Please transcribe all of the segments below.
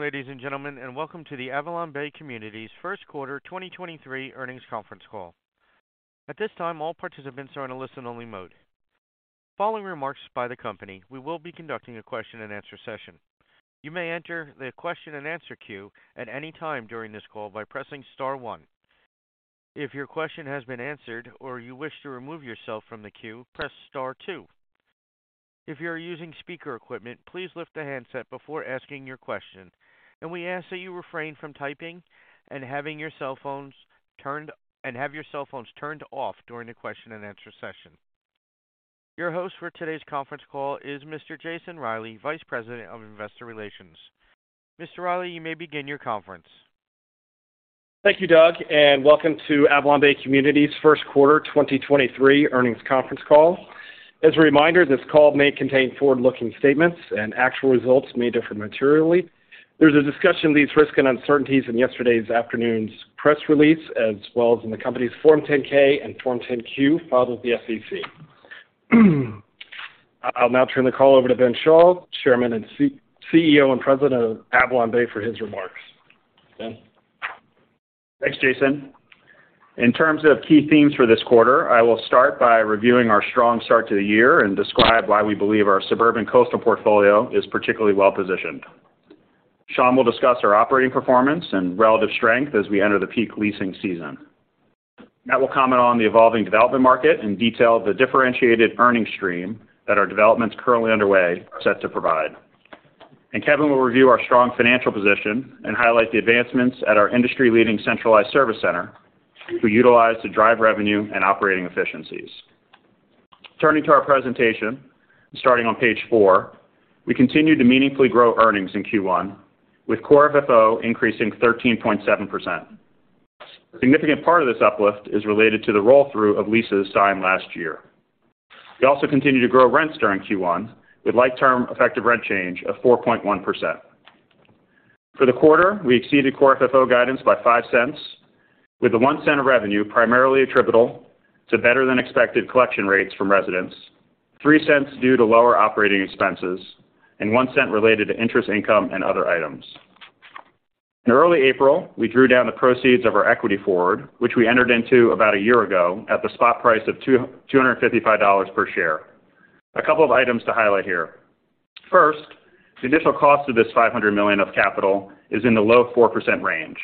Ladies and gentlemen, and welcome to the AvalonBay Communities first quarter 2023 earnings conference call. At this time, all participants are in a listen-only mode. Following remarks by the company, we will be conducting a question-and-answer session. You may enter the question-and-answer queue at any time during this call by pressing star one. If your question has been answered or you wish to remove yourself from the queue, press star two. If you are using speaker equipment, please lift the handset before asking your question, and we ask that you refrain from typing and have your cell phones turned off during the question-and-answer session. Your host for today's conference call is Mr. Jason Reilley, Vice President of Investor Relations. Mr. Reilly, you may begin your conference. Thank you, Doug, welcome to AvalonBay Communities first quarter 2023 earnings conference call. As a reminder, this call may contain forward-looking statements and actual results may differ materially. There's a discussion of these risks and uncertainties in yesterday's afternoon's press release, as well as in the company's Form 10-K and Form 10-Q filed with the SEC. I'll now turn the call over to Ben Schall, Chairman and CEO and President of AvalonBay, for his remarks. Ben? Thanks, Jason. In terms of key themes for this quarter, I will start by reviewing our strong start to the year and describe why we believe our suburban coastal portfolio is particularly well-positioned. Sean will discuss our operating performance and relative strength as we enter the peak leasing season. Matt will comment on the evolving development market and detail the differentiated earnings stream that our developments currently underway are set to provide. Kevin will review our strong financial position and highlight the advancements at our industry-leading centralized service center we utilize to drive revenue and operating efficiencies. Turning to our presentation, starting on page 4, we continued to meaningfully grow earnings in Q1, with Core FFO increasing 13.7%. A significant part of this uplift is related to the roll-through of leases signed last year. We also continued to grow rents during Q one with Like-Term Effective Rent Change of 4.1%. For the quarter, we exceeded Core FFO guidance by $0.05, with the $0.01 of revenue primarily attributable to better-than-expected collection rates from residents, $0.03 due to lower operating expenses, and $0.01 related to interest income and other items. In early April, we drew down the proceeds of our equity forward, which we entered into about a year ago at the spot price of $255 per share. A couple of items to highlight here. First, the initial cost of this $500 million of capital is in the low 4% range.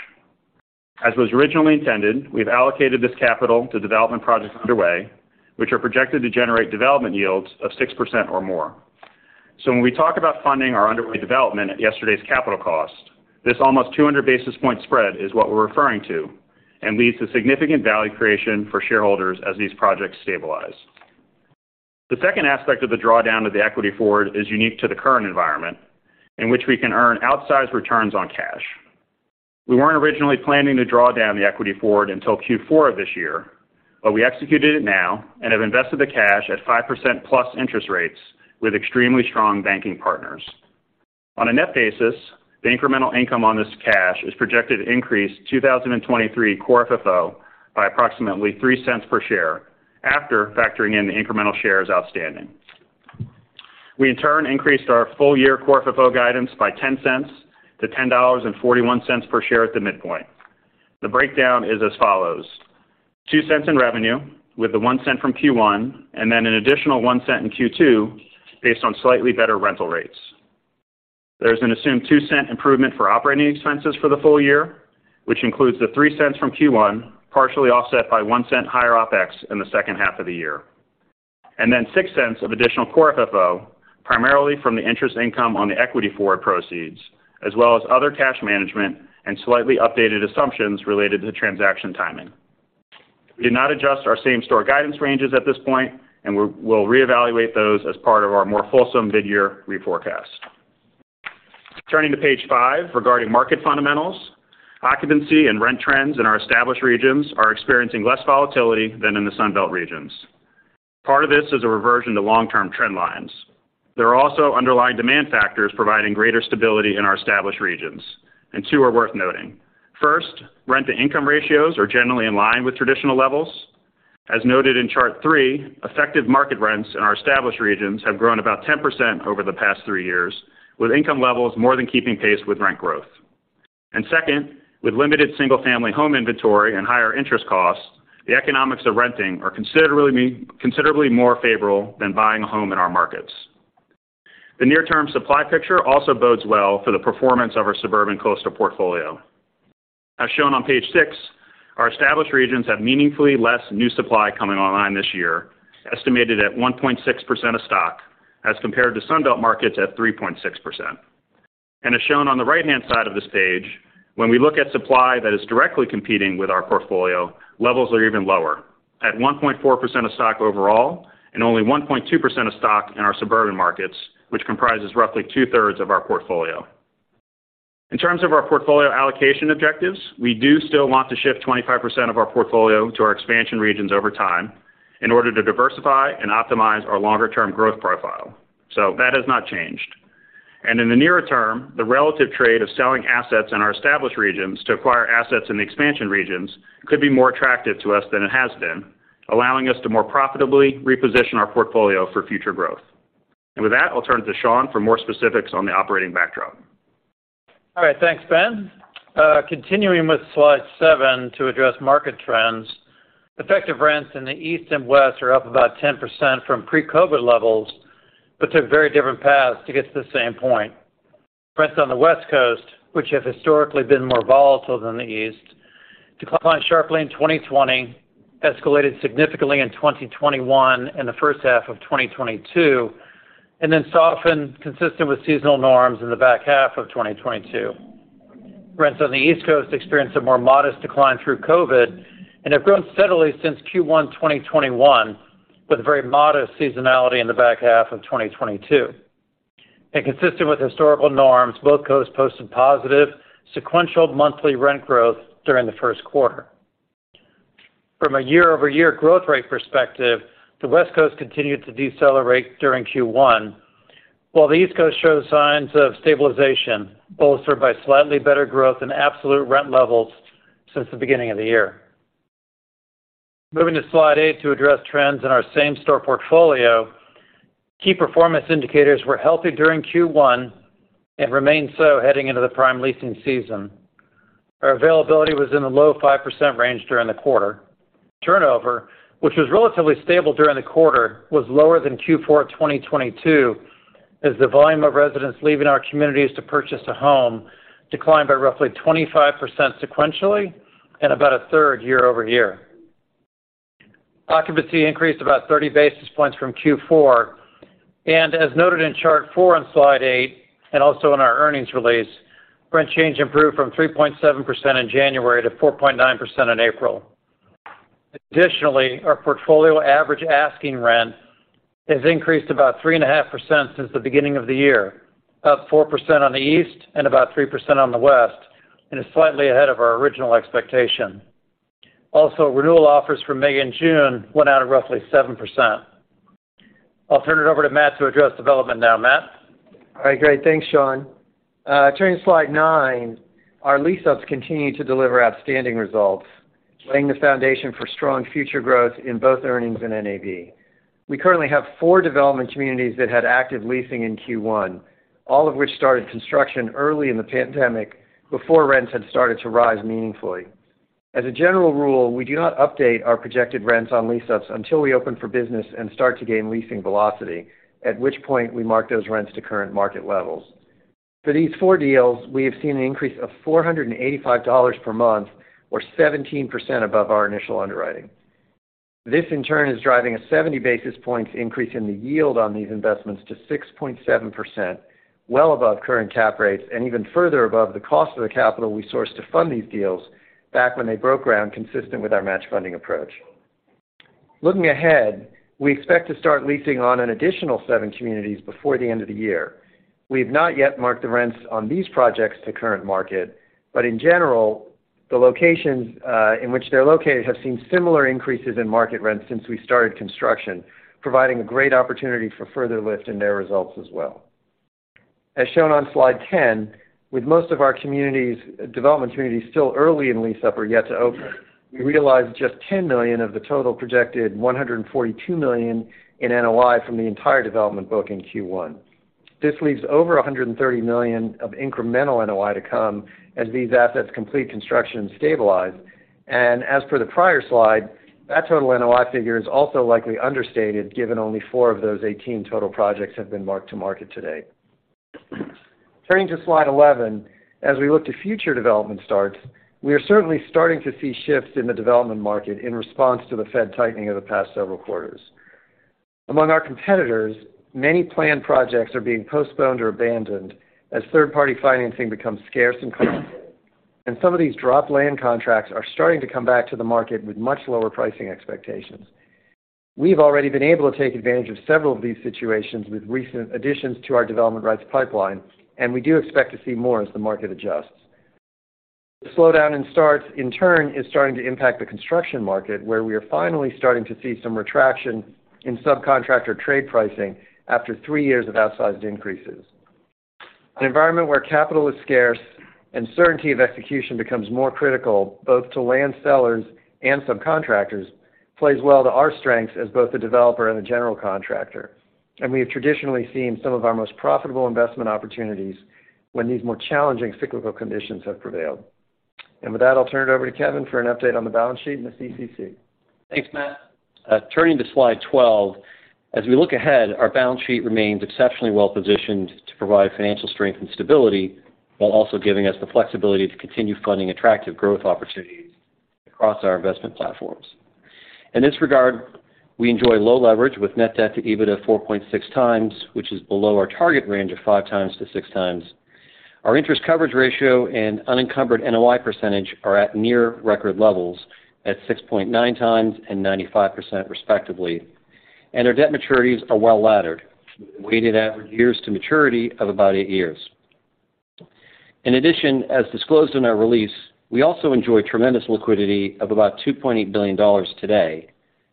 As was originally intended, we've allocated this capital to development projects underway, which are projected to generate development yields of 6% or more. When we talk about funding our underway development at yesterday's capital cost, this almost 200 basis point spread is what we're referring to and leads to significant value creation for shareholders as these projects stabilize. The second aspect of the drawdown of the equity forward is unique to the current environment in which we can earn outsized returns on cash. We weren't originally planning to draw down the equity forward until Q four of this year, but we executed it now and have invested the cash at 5% plus interest rates with extremely strong banking partners. On a net basis, the incremental income on this cash is projected to increase 2023 Core FFO by approximately $0.03 per share after factoring in the incremental shares outstanding. We in turn increased our full-year Core FFO guidance by $0.10 to $10.41 per share at the midpoint. The breakdown is as follows: $0.02 in revenue, with the $0.01 from Q1 and then an additional $0.01 in Q2 based on slightly better rental rates. There's an assumed $0.02 improvement for operating expenses for the full year, which includes the $0.03 from Q1, partially offset by $0.01 higher OpEx in the second half of the year. Six cents of additional Core FFO, primarily from the interest income on the equity forward proceeds, as well as other cash management and slightly updated assumptions related to transaction timing. We did not adjust our same store guidance ranges at this point, we'll reevaluate those as part of our more fulsome mid-year reforecast. Turning to page 5, regarding market fundamentals, occupancy and rent trends in our established regions are experiencing less volatility than in the Sunbelt regions. Part of this is a reversion to long-term trend lines. There are also underlying demand factors providing greater stability in our established regions, and 2 are worth noting. First, rent-to-income ratios are generally in line with traditional levels. As noted in chart 3, effective market rents in our established regions have grown about 10% over the past 3 years, with income levels more than keeping pace with rent growth. Second, with limited single-family home inventory and higher interest costs, the economics of renting are considerably more favorable than buying a home in our markets. The near-term supply picture also bodes well for the performance of our suburban coastal portfolio. As shown on page 6, our established regions have meaningfully less new supply coming online this year, estimated at 1.6% of stock, as compared to Sunbelt markets at 3.6%. As shown on the right-hand side of this page, when we look at supply that is directly competing with our portfolio, levels are even lower at 1.4% of stock overall and only 1.2% of stock in our suburban markets, which comprises roughly two-thirds of our portfolio. In terms of our portfolio allocation objectives, we do still want to shift 25% of our portfolio to our expansion regions over time in order to diversify and optimize our longer-term growth profile. That has not changed. In the nearer term, the relative trade of selling assets in our established regions to acquire assets in the expansion regions could be more attractive to us than it has been. Allowing us to more profitably reposition our portfolio for future growth. With that, I'll turn it to Sean for more specifics on the operating backdrop. All right. Thanks, Ben. Continuing with slide 7 to address market trends. Effective rents in the East and West are up about 10% from pre-COVID levels, but took very different paths to get to the same point. Rents on the West Coast, which have historically been more volatile than the East, declined sharply in 2020, escalated significantly in 2021 and the first half of 2022, and then softened consistent with seasonal norms in the back half of 2022. Rents on the East Coast experienced a more modest decline through COVID and have grown steadily since Q1 2021, with very modest seasonality in the back half of 2022. Consistent with historical norms, both coasts posted positive sequential monthly rent growth during the first quarter. From a year-over-year growth rate perspective, the West Coast continued to decelerate during Q1, while the East Coast showed signs of stabilization, bolstered by slightly better growth in absolute rent levels since the beginning of the year. Moving to slide 8 to address trends in our same store portfolio. Key performance indicators were healthy during Q1 and remain so heading into the prime leasing season. Our availability was in the low 5% range during the quarter. Turnover, which was relatively stable during the quarter, was lower than Q4 2022, as the volume of residents leaving our communities to purchase a home declined by roughly 25% sequentially and about a third year-over-year. Occupancy increased about 30 basis points from Q4. As noted in chart 4 on slide 8 and also in our earnings release, rent change improved from 3.7% in January to 4.9% in April. Additionally, our portfolio average asking rent has increased about 3.5% since the beginning of the year, up 4% on the East and about 3% on the West, and is slightly ahead of our original expectation. Renewal offers for May and June went out at roughly 7%. I'll turn it over to Matt to address development now. Matt? Great. Thanks, Sean. Turning to slide 9. Our lease-ups continue to deliver outstanding results, laying the foundation for strong future growth in both earnings and NAV. We currently have 4 development communities that had active leasing in Q1, all of which started construction early in the pandemic before rents had started to rise meaningfully. As a general rule, we do not update our projected rents on lease-ups until we open for business and start to gain leasing velocity, at which point we mark those rents to current market levels. For these 4 deals, we have seen an increase of $485 per month or 17% above our initial underwriting. This, in turn, is driving a 70 basis points increase in the yield on these investments to 6.7%, well above current cap rates and even further above the cost of the capital we sourced to fund these deals back when they broke ground consistent with our match funding approach. Looking ahead, we expect to start leasing on an additional 7 communities before the end of the year. We've not yet marked the rents on these projects to current market. In general, the locations in which they're located have seen similar increases in market rents since we started construction, providing a great opportunity for further lift in their results as well. Shown on slide 10, with most of our development communities still early in lease-up or yet to open, we realized just $10 million of the total projected $142 million in NOI from the entire development book in Q1. This leaves over $130 million of incremental NOI to come as these assets complete construction and stabilize. As per the prior slide, that total NOI figure is also likely understated, given only four of those 18 total projects have been marked to market to date. Turning to slide 11. We look to future development starts, we are certainly starting to see shifts in the development market in response to the Fed tightening of the past several quarters. Among our competitors, many planned projects are being postponed or abandoned as third-party financing becomes scarce and costly. Some of these dropped land contracts are starting to come back to the market with much lower pricing expectations. We've already been able to take advantage of several of these situations with recent additions to our development rights pipeline, and we do expect to see more as the market adjusts. The slowdown in starts, in turn, is starting to impact the construction market, where we are finally starting to see some retraction in subcontractor trade pricing after three years of outsized increases. An environment where capital is scarce and certainty of execution becomes more critical, both to land sellers and subcontractors, plays well to our strengths as both a developer and a general contractor, and we have traditionally seen some of our most profitable investment opportunities when these more challenging cyclical conditions have prevailed. With that, I'll turn it over to Kevin for an update on the balance sheet and the CCC. Thanks, Matt. Turning to slide 12. As we look ahead, our balance sheet remains exceptionally well positioned to provide financial strength and stability while also giving us the flexibility to continue funding attractive growth opportunities across our investment platforms. In this regard, we enjoy low leverage with net debt to EBITDA 4.6 times, which is below our target range of 5 times to 6 times. Our interest coverage ratio and unencumbered NOI % are at near record levels at 6.9 times and 95% respectively. Our debt maturities are well laddered, with a weighted average years to maturity of about 8 years. In addition, as disclosed in our release, we also enjoy tremendous liquidity of about $2.8 billion today,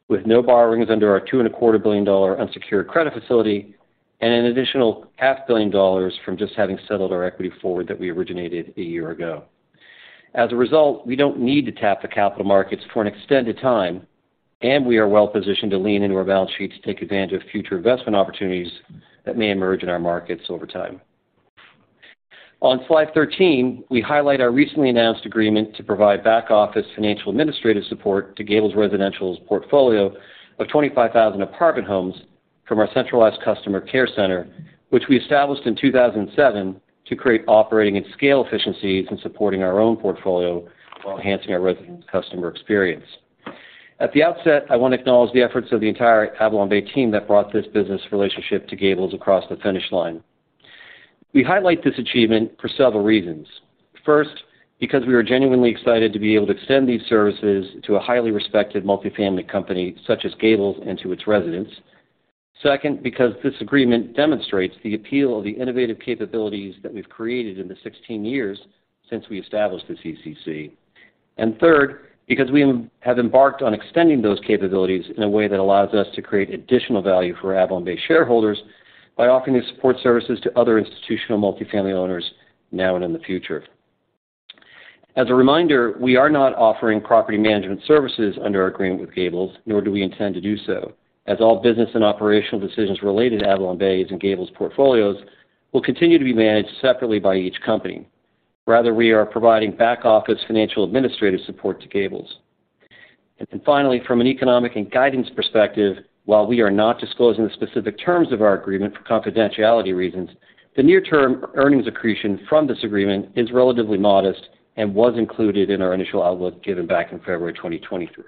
with no borrowings under our two and a quarter billion dollar unsecured credit facility and an additional half billion dollars from just having settled our equity forward that we originated a year ago. As a result, we don't need to tap the capital markets for an extended time, and we are well positioned to lean into our balance sheet to take advantage of future investment opportunities that may emerge in our markets over time. On slide 13, we highlight our recently announced agreement to provide back-office financial administrative support to Gables Residential's portfolio of 25,000 apartment homes from our centralized customer care center, which we established in 2007 to create operating and scale efficiencies in supporting our own portfolio while enhancing our resident customer experience. At the outset, I want to acknowledge the efforts of the entire AvalonBay team that brought this business relationship to Gables across the finish line. We highlight this achievement for several reasons. First, because we are genuinely excited to be able to extend these services to a highly respected multifamily company such as Gables and to its residents. Second, because this agreement demonstrates the appeal of the innovative capabilities that we've created in the 16 years since we established the CCC. Third, because we have embarked on extending those capabilities in a way that allows us to create additional value for AvalonBay shareholders by offering these support services to other institutional multifamily owners now and in the future. As a reminder, we are not offering property management services under our agreement with Gables, nor do we intend to do so, as all business and operational decisions related to AvalonBay's and Gables portfolios will continue to be managed separately by each company. Rather, we are providing back-office financial administrative support to Gables. Finally, from an economic and guidance perspective, while we are not disclosing the specific terms of our agreement for confidentiality reasons, the near-term earnings accretion from this agreement is relatively modest and was included in our initial outlook given back in February 2023.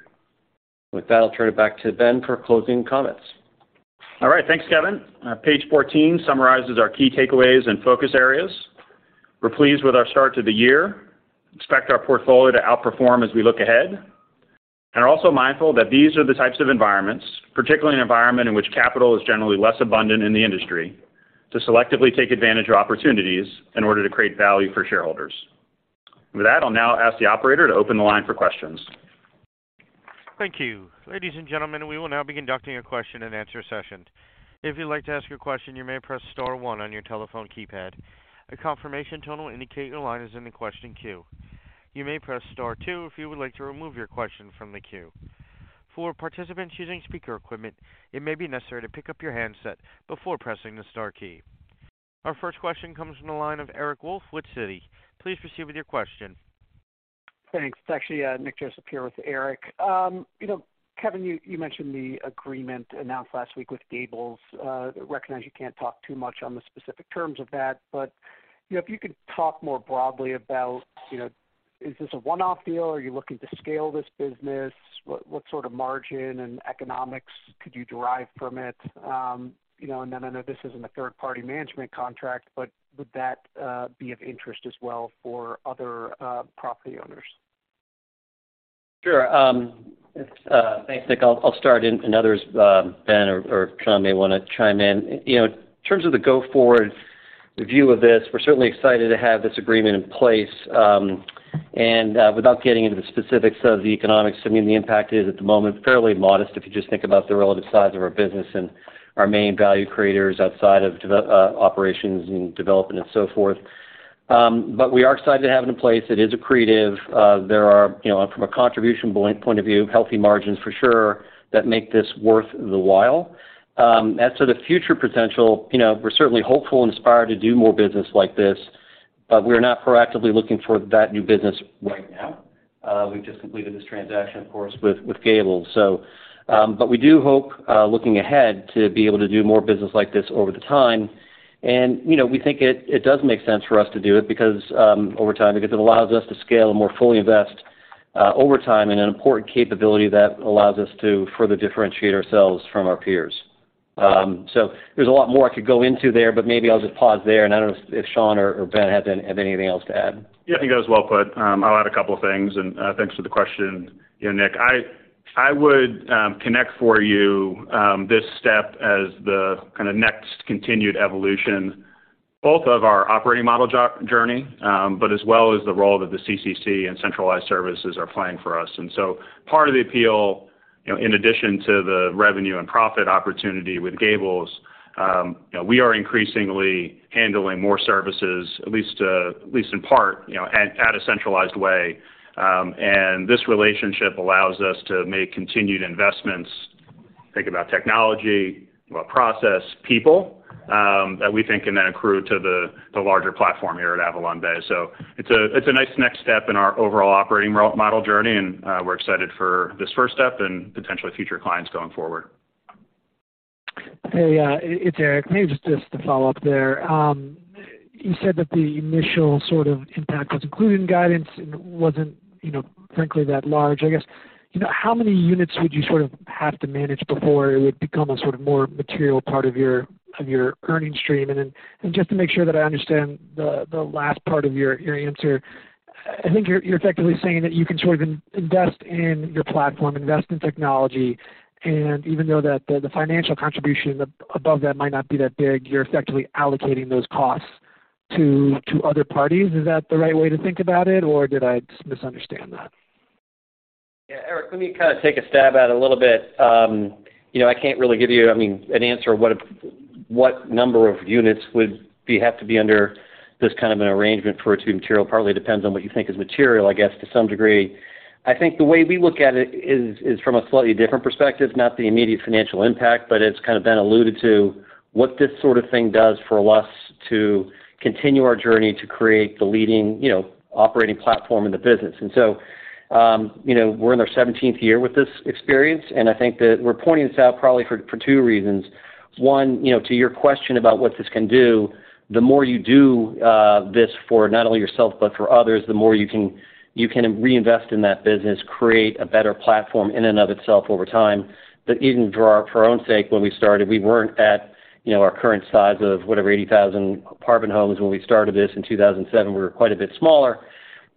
With that, I'll turn it back to Ben for closing comments. All right. Thanks, Kevin. page 14 summarizes our key takeaways and focus areas. We're pleased with our start to the year, expect our portfolio to outperform as we look ahead, and are also mindful that these are the types of environments, particularly an environment in which capital is generally less abundant in the industry, to selectively take advantage of opportunities in order to create value for shareholders. With that, I'll now ask the operator to open the line for questions. Thank you. Ladies and gentlemen, we will now be conducting a question-and-answer session. If you'd like to ask a question, you may press star one on your telephone keypad. A confirmation tone will indicate your line is in the question queue. You may press star two if you would like to remove your question from the queue. For participants using speaker equipment, it may be necessary to pick up your handset before pressing the star key. Our first question comes from the line of Eric Wolfe with Citi. Please proceed with your question. Thanks. It's actually, Nick Joseph here with Eric. You know, Kevin, you mentioned the agreement announced last week with Gables. Recognize you can't talk too much on the specific terms of that. You know, if you could talk more broadly about, you know, is this a one-off deal? Are you looking to scale this business? What, what sort of margin and economics could you derive from it? You know, then I know this isn't a third-party management contract, would that be of interest as well for other property owners? Sure. Thanks, Nick. I'll start, others, Ben or Sean may wanna chime in. You know, in terms of the go forward view of this, we're certainly excited to have this agreement in place. Without getting into the specifics of the economics, I mean, the impact is at the moment fairly modest if you just think about the relative size of our business and our main value creators outside of operations and development and so forth. We are excited to have it in place. It is accretive. There are, you know, from a contribution point of view, healthy margins for sure that make this worth the while. As to the future potential, you know, we're certainly hopeful and inspired to do more business like this, but we are not proactively looking for that new business right now. We've just completed this transaction, of course, with Gables. But we do hope, looking ahead to be able to do more business like this over the time. You know, we think it does make sense for us to do it because, over time, because it allows us to scale and more fully invest, over time in an important capability that allows us to further differentiate ourselves from our peers. There's a lot more I could go into there, but maybe I'll just pause there. I don't know if Sean or Ben have anything else to add. Yeah. I think that was well put. I'll add a couple of things, thanks for the question. You know, Nick, I would connect for you this step as the kinda next continued evolution, both of our operating model journey, but as well as the role that the CCC and centralized services are playing for us. Part of the appeal, you know, in addition to the revenue and profit opportunity with Gables, you know, we are increasingly handling more services at least, at least in part, you know, at a centralized way. This relationship allows us to make continued investments, think about technology, about process, people, that we think can then accrue to the larger platform here at AvalonBay. It's a nice next step in our overall operating model journey, and, we're excited for this first step and potentially future clients going forward. It's Nick. Maybe just to follow up there. You said that the initial sort of impact was included in guidance and wasn't, you know, frankly that large. I guess, you know, how many units would you sort of have to manage before it would become a sort of more material part of your, of your earnings stream? Just to make sure that I understand the last part of your answer. I think you're effectively saying that you can sort of invest in your platform, invest in technology, and even though that the financial contribution above that might not be that big, you're effectively allocating those costs to other parties. Is that the right way to think about it, or did I misunderstand that? Yeah, Eric, let me kind of take a stab at a little bit. You know, I can't really give you, I mean, an answer what number of units have to be under this kind of an arrangement for it to be material. Partly depends on what you think is material, I guess, to some degree. I think the way we look at it is from a slightly different perspective, not the immediate financial impact, but it's kind of been alluded to what this sort of thing does for us to continue our journey to create the leading, you know, operating platform in the business. You know, we're in our seventeenth year with this experience, and I think that we're pointing this out probably for two reasons. One, you know, to your question about what this can do, the more you do this for not only yourself but for others, the more you can, you can reinvest in that business, create a better platform in and of itself over time. Even for our own sake, when we started, we weren't at, you know, our current size of whatever, 80,000 apartment homes when we started this in 2007. We were quite a bit smaller.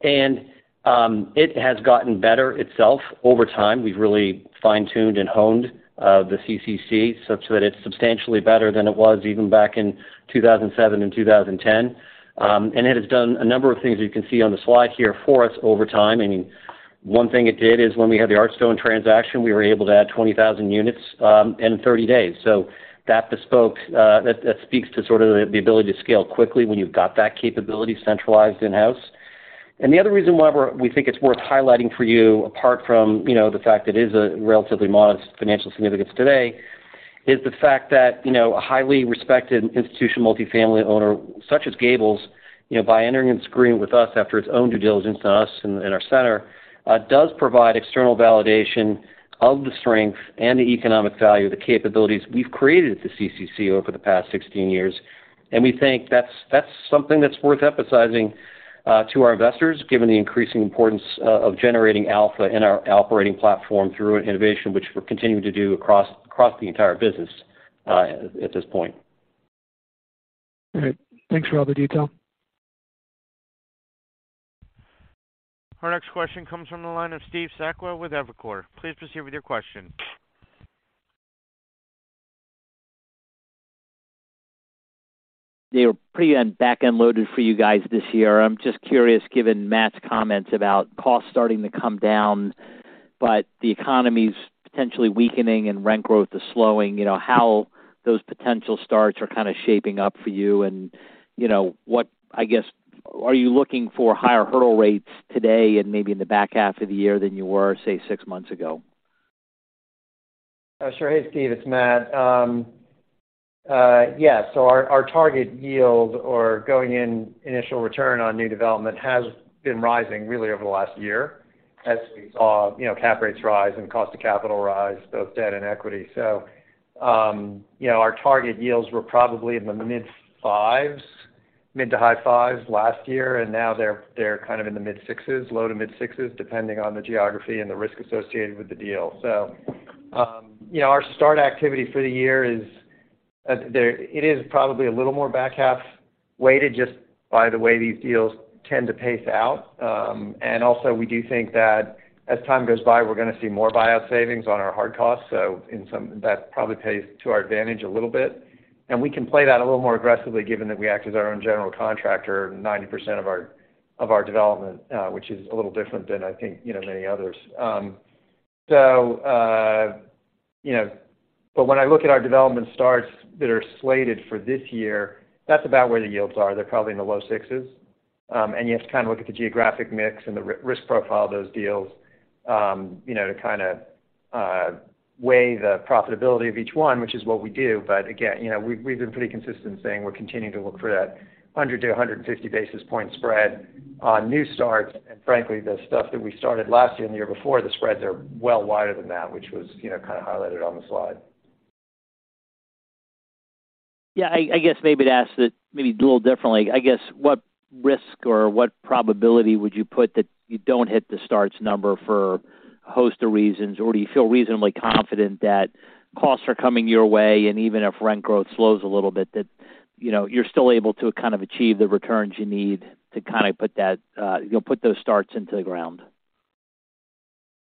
It has gotten better itself over time. We've really fine-tuned and honed the CCC such that it's substantially better than it was even back in 2007 and 2010. It has done a number of things you can see on the slide here for us over time. I mean, one thing it did is when we had the Archstone transaction, we were able to add 20,000 units in 30 days. That bespoke that speaks to sort of the ability to scale quickly when you've got that capability centralized in-house. The other reason why we think it's worth highlighting for you, apart from, you know, the fact that it is a relatively modest financial significance today, is the fact that, you know, a highly respected institutional multifamily owner such as Gables, you know, by entering into an agreement with us after its own due diligence to us and our center does provide external validation of the strength and the economic value of the capabilities we've created at the CCC over the past 16 years. We think that's something that's worth emphasizing, to our investors, given the increasing importance of generating alpha in our operating platform through innovation, which we're continuing to do across the entire business, at this point. All right. Thanks for all the detail. Our next question comes from the line of Steve Sakwa with Evercore. Please proceed with your question. They were pretty back-end loaded for you guys this year. I'm just curious, given Matt's comments about costs starting to come down, but the economy's potentially weakening and rent growth is slowing, you know, how those potential starts are kind of shaping up for you and, you know, I guess, are you looking for higher hurdle rates today and maybe in the back half of the year than you were, say, six months ago? Sure. Hey, Steve, it's Matt. Yeah. Our target yield or going-in initial return on new development has been rising really over the last year as we saw, you know, cap rates rise and cost of capital rise, both debt and equity. You know, our target yields were probably in the mid-5s, mid- to high-5s last year, and now they're kind of in the mid-6s, low to mid-6s, depending on the geography and the risk associated with the deal. You know, our start activity for the year, it is probably a little more back-half weighted just by the way these deals tend to pace out. Also we do think that as time goes by, we're gonna see more buyout savings on our hard costs, so that probably plays to our advantage a little bit. We can play that a little more aggressively given that we act as our own general contractor, 90% of our development, which is a little different than I think, you know, many others. You know, when I look at our development starts that are slated for this year, that's about where the yields are. They're probably in the low 6s. You have to kind of look at the geographic mix and the risk profile of those deals, you know, to kind of weigh the profitability of each one, which is what we do. Again, you know, we've been pretty consistent in saying we're continuing to look for that 100-150 basis point spread on new starts. Frankly, the stuff that we started last year and the year before, the spreads are well wider than that, which was, you know, kind of highlighted on the slide. Yeah. I guess maybe to ask it maybe a little differently. I guess, what risk or what probability would you put that you don't hit the starts number for a host of reasons? Do you feel reasonably confident that costs are coming your way, and even if rent growth slows a little bit, that, you know, you're still able to kind of achieve the returns you need to kind of put that, you know, put those starts into the ground?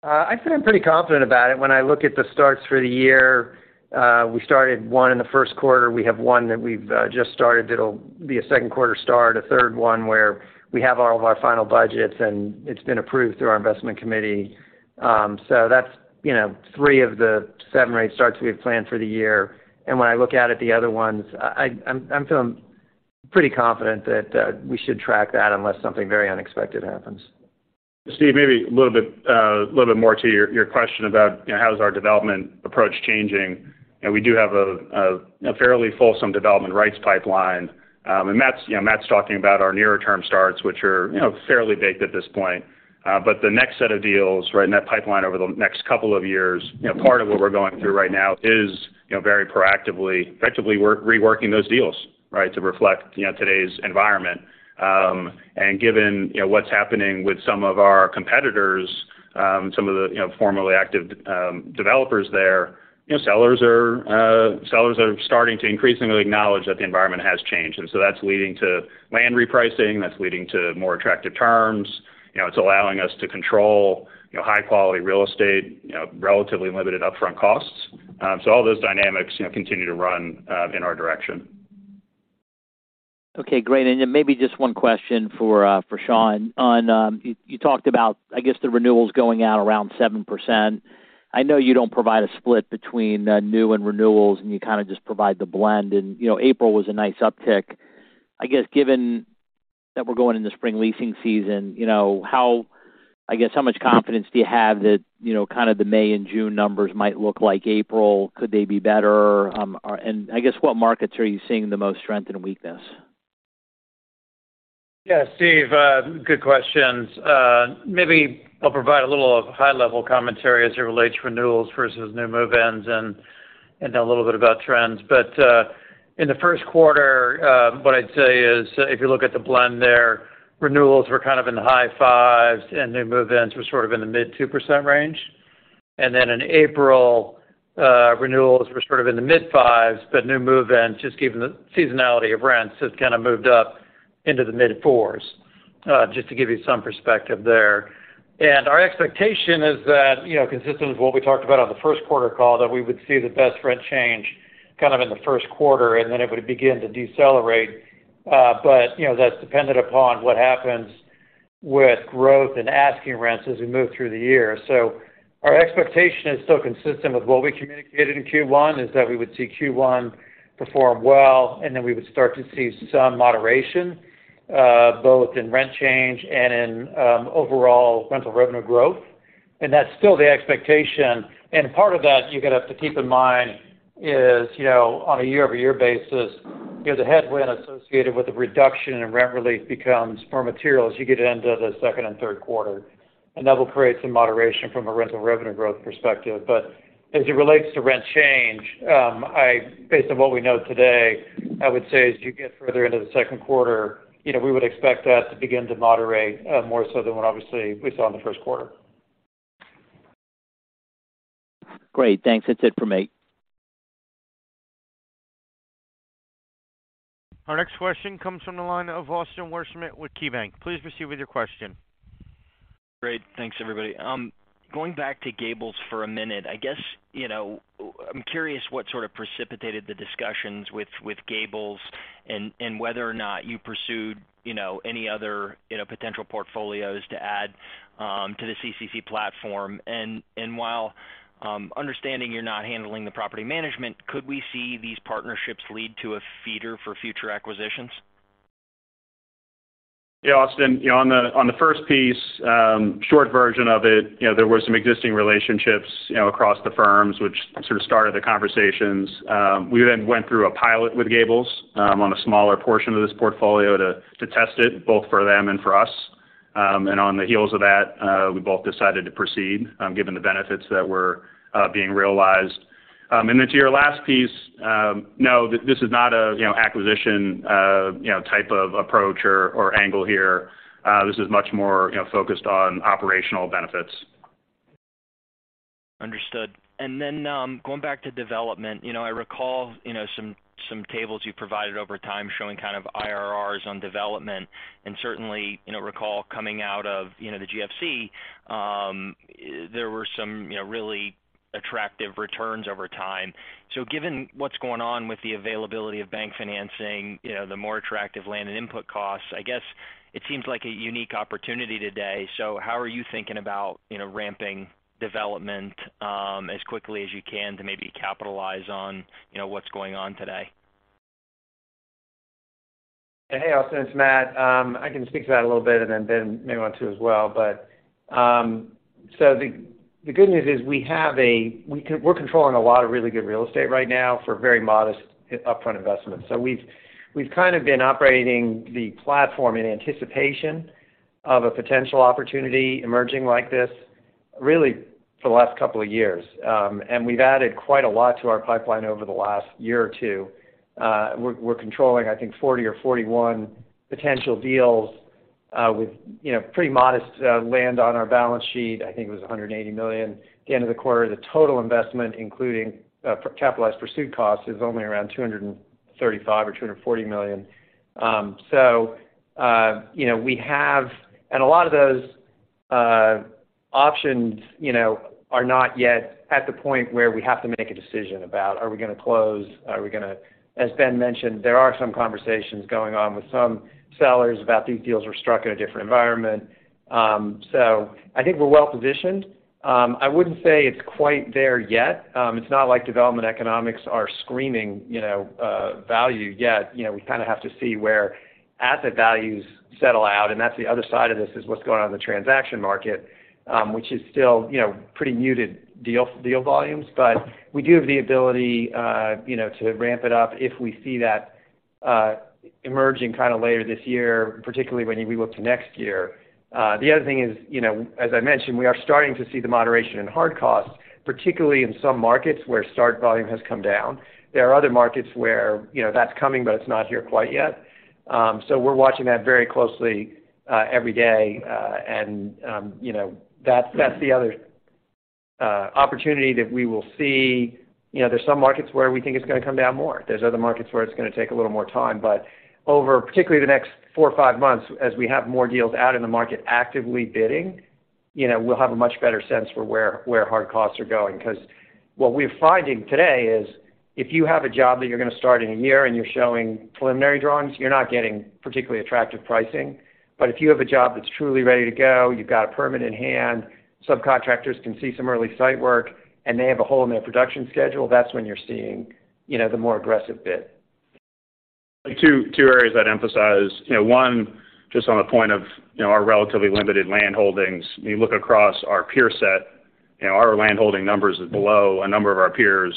I'd say I'm pretty confident about it. When I look at the starts for the year, we started 1 in the first quarter. We have 1 that we've just started that'll be a 2nd quarter start, a 3rd one where we have all of our final budgets, and it's been approved through our investment committee. That's, you know, 3 of the 7 or 8 starts we have planned for the year. When I look at it, the other ones, I'm feeling pretty confident that we should track that unless something very unexpected happens. Steve, maybe a little bit, a little bit more to your question about, you know, how is our development approach changing. You know, we do have a fairly fulsome development rights pipeline. Matt's, you know, Matt's talking about our nearer-term starts, which are, you know, fairly baked at this point. The next set of deals, right, in that pipeline over the next couple of years, you know, part of what we're going through right now is, you know, very proactively, effectively reworking those deals, right, to reflect, you know, today's environment. Given, you know, what's happening with some of our competitors, some of the, you know, formerly active developers there, you know, sellers are starting to increasingly acknowledge that the environment has changed. That's leading to land repricing. That's leading to more attractive terms. You know, it's allowing us to control, you know, high-quality real estate, you know, relatively limited upfront costs. All those dynamics, you know, continue to run in our direction. Okay, great. Maybe just one question for Sean on, you talked about, I guess, the renewals going out around 7%. I know you don't provide a split between new and renewals, and you kind of just provide the blend. You know, April was a nice uptick. I guess given that we're going in the spring leasing season, you know, how much confidence do you have that, you know, kind of the May and June numbers might look like April? Could they be better? I guess, what markets are you seeing the most strength and weakness? Yeah, Steve, good questions. Maybe I'll provide a little of high-level commentary as it relates to renewals versus new move-ins and a little bit about trends. In the first quarter, what I'd say is, if you look at the blend there, renewals were kind of in the high 5s and new move-ins were sort of in the mid 2% range. Then in April, renewals were sort of in the mid 5s, but new move-ins, just given the seasonality of rents, has kind of moved up into the mid 4s, just to give you some perspective there. Our expectation is that, you know, consistent with what we talked about on the first quarter call, that we would see the best rent change kind of in the first quarter, and then it would begin to decelerate. You know, that's dependent upon what happens with growth and asking rents as we move through the year. Our expectation is still consistent with what we communicated in Q1, is that we would see Q1 perform well, and then we would start to see some moderation, both in rent change and in overall rental revenue growth. That's still the expectation. Part of that you're gonna have to keep in mind is, you know, on a year-over-year basis, you know, the headwind associated with the reduction in rent release becomes more material as you get into the second and third quarter. That will create some moderation from a rental revenue growth perspective. As it relates to rent change, based on what we know today, I would say, as you get further into the second quarter, you know, we would expect that to begin to moderate, more so than what obviously we saw in the first quarter. Great. Thanks. That's it for me. Our next question comes from the line of Austin Wurschmidt with KeyBanc Capital Markets. Please proceed with your question. Great. Thanks, everybody. Going back to Gables for a minute. I guess, you know, I'm curious what sort of precipitated the discussions with Gables and whether or not you pursued, you know, any other, you know, potential portfolios to add to the CCC platform. While understanding you're not handling the property management, could we see these partnerships lead to a feeder for future acquisitions? Yeah, Austin, you know, on the first piece, short version of it, you know, there were some existing relationships, you know, across the firms, which sort of started the conversations. We then went through a pilot with Gables on a smaller portion of this portfolio to test it both for them and for us. On the heels of that, we both decided to proceed, given the benefits that were being realized. Then to your last piece, no, this is not a, you know, acquisition, you know, type of approach or angle here. This is much more, you know, focused on operational benefits. Understood. Going back to development. You know, I recall, you know, some tables you've provided over time showing kind of IRRs on development. Certainly, you know, recall coming out of, you know, the GFC, there were some, you know, really attractive returns over time. Given what's going on with the availability of bank financing, you know, the more attractive land and input costs, I guess it seems like a unique opportunity today. How are you thinking about, you know, ramping development, as quickly as you can to maybe capitalize on, you know, what's going on today? Hey, Austin, it's Matt. I can speak to that a little bit and then Ben may want to as well. The good news is we're controlling a lot of really good real estate right now for very modest upfront investment. We've kind of been operating the platform in anticipation of a potential opportunity emerging like this really for the last couple of years. We've added quite a lot to our pipeline over the last year or two. We're controlling, I think 40 or 41 potential deals, with, you know, pretty modest land on our balance sheet. I think it was $180 million. At the end of the quarter, the total investment, including capitalized pursuit costs, is only around $235 million or $240 million. You know, a lot of those options, you know, are not yet at the point where we have to make a decision about, are we gonna close? As Ben mentioned, there are some conversations going on with some sellers about these deals were struck in a different environment. I think we're well-positioned. I wouldn't say it's quite there yet. It's not like development economics are screaming, you know, value yet. You know, we kind of have to see where asset values settle out. That's the other side of this, is what's going on in the transaction market, which is still, you know, pretty muted deal volumes. We do have the ability, you know, to ramp it up if we see that emerging kind of later this year, particularly when we look to next year. The other thing is, you know, as I mentioned, we are starting to see the moderation in hard costs, particularly in some markets where start volume has come down. There are other markets where, you know, that's coming, but it's not here quite yet. We're watching that very closely every day. You know, that's the other opportunity that we will see. You know, there's some markets where we think it's gonna come down more. There's other markets where it's gonna take a little more time. Over particularly the next four or five months, as we have more deals out in the market actively bidding. You know, we'll have a much better sense for where hard costs are going. What we're finding today is if you have a job that you're gonna start in a year and you're showing preliminary drawings, you're not getting particularly attractive pricing. If you have a job that's truly ready to go, you've got a permit in hand, subcontractors can see some early site work, and they have a hole in their production schedule, that's when you're seeing, you know, the more aggressive bid. Two areas I'd emphasize. You know, one, just on the point of, you know, our relatively limited landholdings. When you look across our peer set, you know, our landholding numbers is below a number of our peers,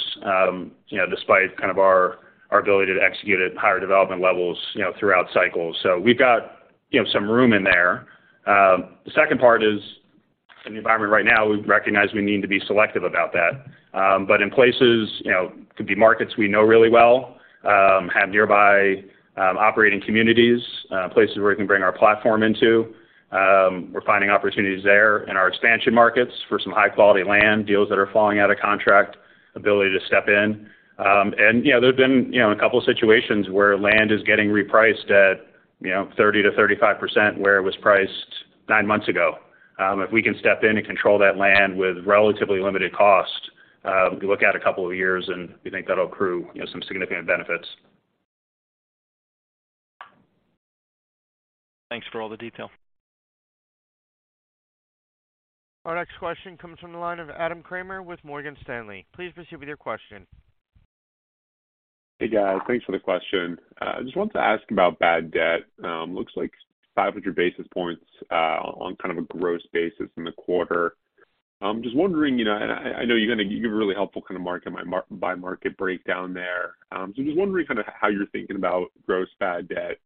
you know, despite kind of our ability to execute at higher development levels, you know, throughout cycles. We've got, you know, some room in there. The second part is in the environment right now, we recognize we need to be selective about that. In places, you know, could be markets we know really well, have nearby operating communities, places where we can bring our platform into, we're finding opportunities there. In our expansion markets for some high-quality land, deals that are falling out of contract, ability to step in. You know, there's been, you know, a couple of situations where land is getting repriced at, you know, 30%-35% where it was priced nine months ago. If we can step in and control that land with relatively limited cost, we look out a couple of years, and we think that'll accrue, you know, some significant benefits. Thanks for all the detail. Our next question comes from the line of Adam Kramer with Morgan Stanley. Please proceed with your question. Hey, guys. Thanks for the question. I just wanted to ask about bad debt. Looks like 500 basis points on kind of a gross basis in the quarter. I'm just wondering, you know, and I know you give a really helpful kind of market, by market breakdown there. Just wondering kind of how you're thinking about gross bad debt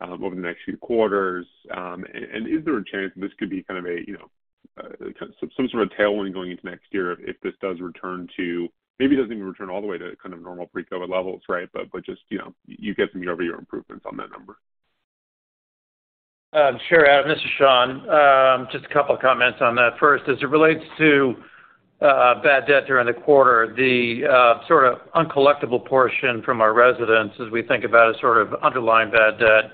over the next few quarters. Is there a chance this could be kind of a, you know, some sort of tailwind going into next year if this does return to maybe it doesn't even return all the way to kind of normal pre-COVID levels, right? Just, you know, you get some year-over-year improvements on that number. Sure, Adam. This is Sean. Just a couple of comments on that. First, as it relates to bad debt during the quarter, the sort of uncollectible portion from our residents as we think about a sort of underlying bad debt,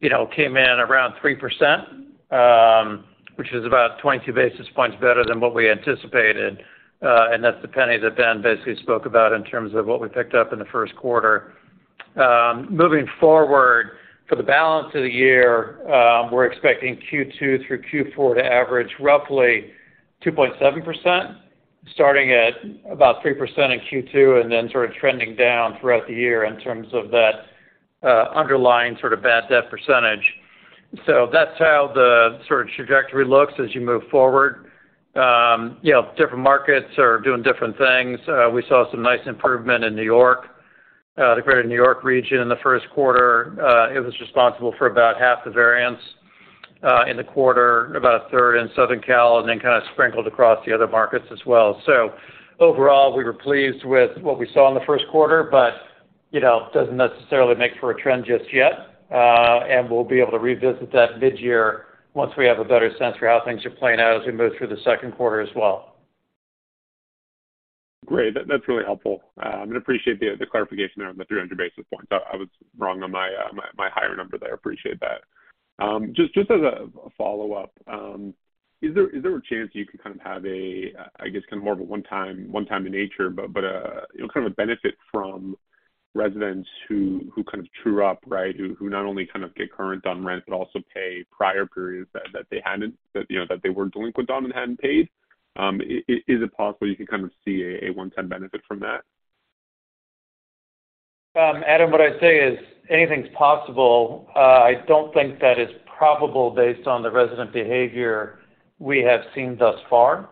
you know, came in around 3%, which is about 22 basis points better than what we anticipated. That's the penny that Ben basically spoke about in terms of what we picked up in the first quarter. Moving forward, for the balance of the year, we're expecting Q2 through Q4 to average roughly 2.7%, starting at about 3% in Q2 and sort of trending down throughout the year in terms of that underlying sort of bad debt percentage. That's how the sort of trajectory looks as you move forward. You know, different markets are doing different things. We saw some nice improvement in New York, the Greater New York region in the first quarter. It was responsible for about half the variance in the quarter, about a third in Southern Cal, kind of sprinkled across the other markets as well. Overall, we were pleased with what we saw in the first quarter, but, you know, doesn't necessarily make for a trend just yet. We'll be able to revisit that mid-year once we have a better sense for how things are playing out as we move through the second quarter as well. Great. That's really helpful. Appreciate the clarification there on the 300 basis points. I was wrong on my higher number there. Appreciate that. Just as a follow-up, is there a chance you can kind of have a, I guess, kind of more of a one-time in nature, but, you know, kind of a benefit from residents who kind of true up, right, who not only kind of get current on rent but also pay prior periods that they hadn't, that, you know, that they were delinquent on and hadn't paid? Is it possible you could kind of see a one-time benefit from that? Adam, what I'd say is anything's possible. I don't think that is probable based on the resident behavior we have seen thus far.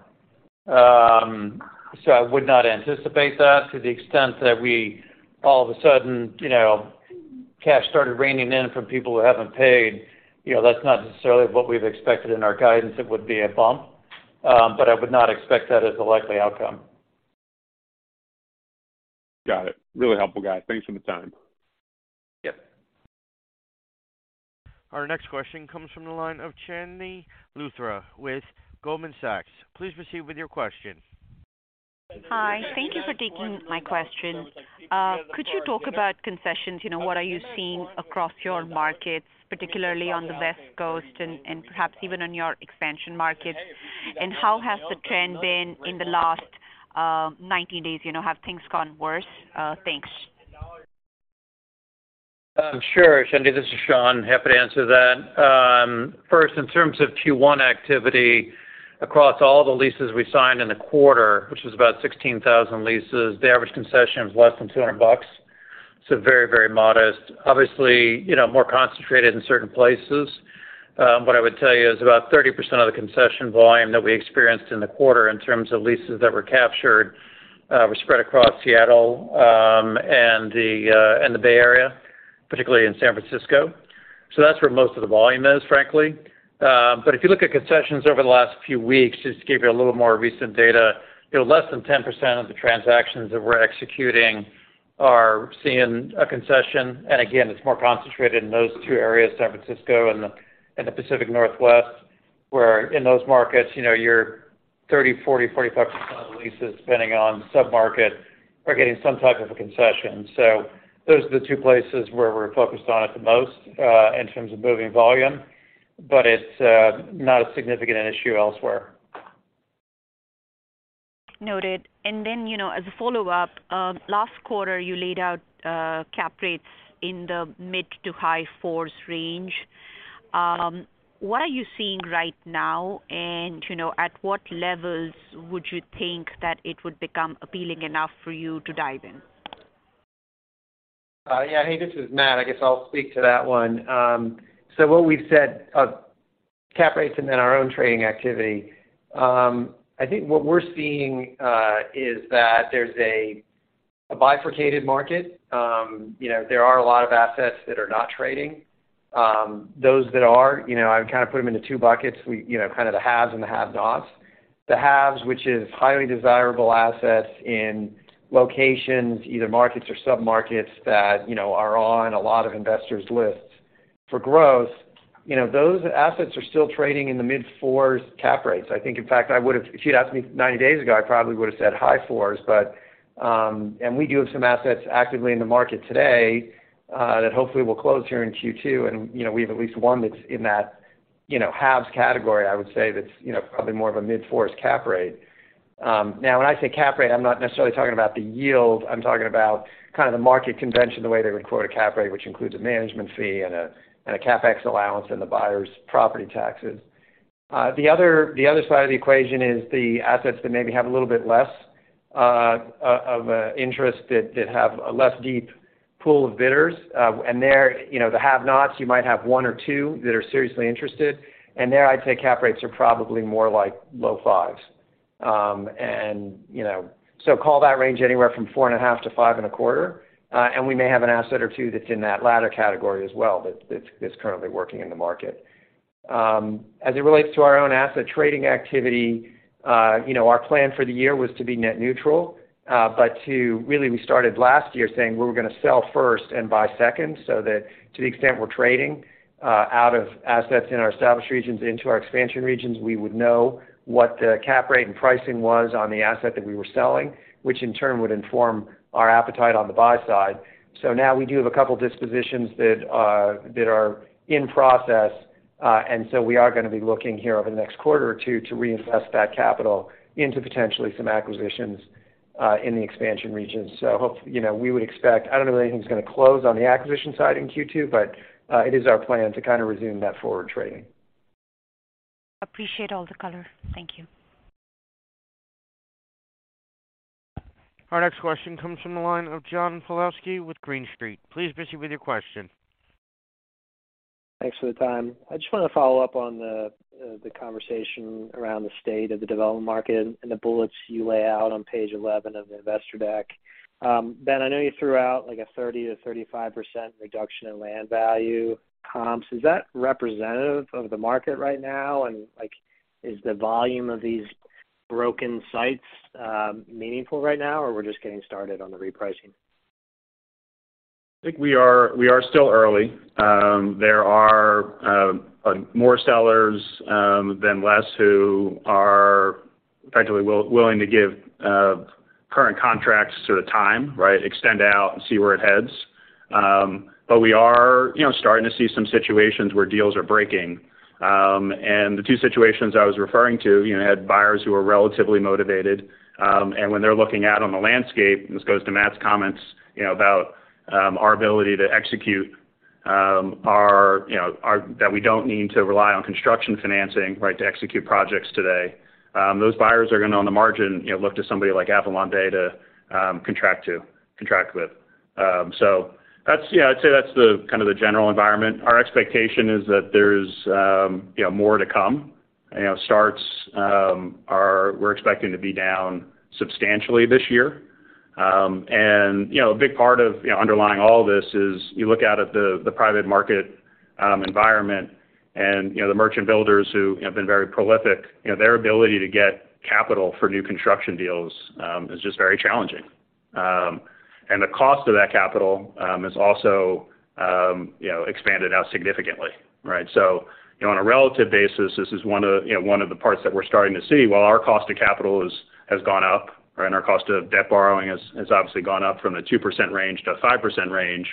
I would not anticipate that to the extent that we all of a sudden, you know, cash started raining in from people who haven't paid. You know, that's not necessarily what we've expected in our guidance. It would be a bump. I would not expect that as a likely outcome. Got it. Really helpful, guys. Thanks for the time. Yep. Our next question comes from the line of Chandni Luthra with Goldman Sachs. Please proceed with your question. Hi. Thank you for taking my question. Could you talk about concessions? You know, what are you seeing across your markets, particularly on the West Coast and perhaps even on your expansion markets? How has the trend been in the last 90 days? You know, have things gotten worse? Thanks. Sure, Chandni. This is Sean. Happy to answer that. First, in terms of Q1 activity across all the leases we signed in the quarter, which was about 16,000 leases, the average concession was less than $200. Very, very modest. Obviously, you know, more concentrated in certain places. What I would tell you is about 30% of the concession volume that we experienced in the quarter in terms of leases that were captured, were spread across Seattle and the Bay Area, particularly in San Francisco. That's where most of the volume is, frankly. If you look at concessions over the last few weeks, just to give you a little more recent data, you know, less than 10% of the transactions that we're executing are seeing a concession. Again, it's more concentrated in those two areas, San Francisco and the Pacific Northwest, where in those markets, you know, you're. 30%, 40%, 45% of leases depending on sub-market are getting some type of a concession. Those are the two places where we're focused on it the most, in terms of moving volume. It's not a significant issue elsewhere. Noted. Then, you know, as a follow-up, last quarter, you laid out, cap rates in the mid to high fours range. What are you seeing right now? You know, at what levels would you think that it would become appealing enough for you to dive in? Yeah. Hey, this is Matt. I guess I'll speak to that one. What we've said, cap rates and then our own trading activity, I think what we're seeing is that there's a bifurcated market. You know, there are a lot of assets that are not trading. Those that are, you know, I would kind of put them into 2 buckets. You know, kind of the haves and the have-nots. The haves, which is highly desirable assets in locations, either markets or sub-markets that, you know, are on a lot of investors lists. For growth, you know, those assets are still trading in the mid-4s cap rates. I think, in fact, if you'd asked me 90 days ago, I probably would have said high 4s. We do have some assets actively in the market today that hopefully will close here in Q2. You know, we have at least one that's in that, you know, haves category, I would say, that's, you know, probably more of a mid-fours cap rate. Now when I say cap rate, I'm not necessarily talking about the yield. I'm talking about kind of the market convention, the way they would quote a cap rate, which includes a management fee and a CapEx allowance and the buyer's property taxes. The other side of the equation is the assets that maybe have a little bit less of interest that have a less deep pool of bidders. There, you know, the have-nots, you might have one or two that are seriously interested. There I'd say cap rates are probably more like low fives. You know, call that range anywhere from four and a half to five and a quarter. We may have an asset or two that's in that latter category as well, that's currently working in the market. As it relates to our own asset trading activity, you know, our plan for the year was to be net neutral, but we started last year saying we were gonna sell first and buy second. That to the extent we're trading out of assets in our established regions into our expansion regions, we would know what the cap rate and pricing was on the asset that we were selling, which in turn would inform our appetite on the buy side. Now we do have a couple dispositions that are in process. We are gonna be looking here over the next quarter or two to reinvest that capital into potentially some acquisitions in the expansion regions. You know, we would expect, I don't know anything's gonna close on the acquisition side in Q2, but, it is our plan to kind of resume that forward trading. Appreciate all the color. Thank you. Our next question comes from the line of John Pawlowski with Green Street. Please proceed with your question. Thanks for the time. I just wanna follow up on the conversation around the state of the development market and the bullets you lay out on page 11 of the investor deck. Ben, I know you threw out like a 30%-35% reduction in land value comps. Is that representative of the market right now? Like, is the volume of these broken sites meaningful right now, or we're just getting started on the repricing? I think we are, we are still early. There are more sellers than less, who are effectively willing to give current contracts sort of time, right? Extend out and see where it heads. We are, you know, starting to see some situations where deals are breaking. The two situations I was referring to, you know, had buyers who were relatively motivated. When they're looking out on the landscape, this goes to Matt's comments, you know, about our ability to execute, our, you know, that we don't need to rely on construction financing, right, to execute projects today. Those buyers are gonna, on the margin, you know, look to somebody like AvalonBay to contract to, contract with. That's, you know, I'd say that's the kind of the general environment. Our expectation is that there's, you know, more to come. You know, starts we're expecting to be down substantially this year. You know, a big part of, you know, underlying all this is you look out at the private market environment and, you know, the merchant builders who, you know, have been very prolific. You know, their ability to get capital for new construction deals is just very challenging. The cost of that capital has also, you know, expanded out significantly, right? So, you know, on a relative basis, this is one of, you know, one of the parts that we're starting to see. While our cost of capital is, has gone up, and our cost of debt borrowing has obviously gone up from the 2% range to a 5% range.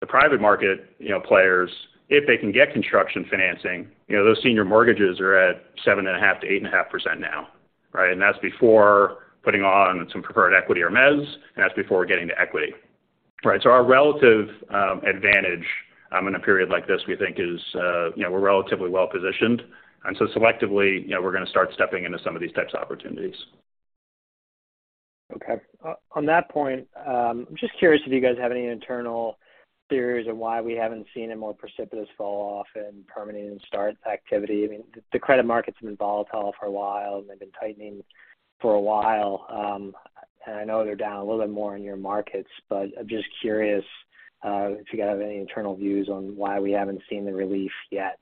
The private market, you know, players, if they can get construction financing, you know, those senior mortgages are at 7.5%-8.5% now, right? That's before putting on some preferred equity or mezz, and that's before getting to equity. Our relative advantage in a period like this, we think is, you know, we're relatively well-positioned. Selectively, you know, we're gonna start stepping into some of these types of opportunities. Okay. On that point, I'm just curious if you guys have any internal theories on why we haven't seen a more precipitous fall off in permanent and start activity? I mean, the credit market's been volatile for a while, and they've been tightening for a while. I know they're down a little bit more in your markets, but I'm just curious if you guys have any internal views on why we haven't seen the relief yet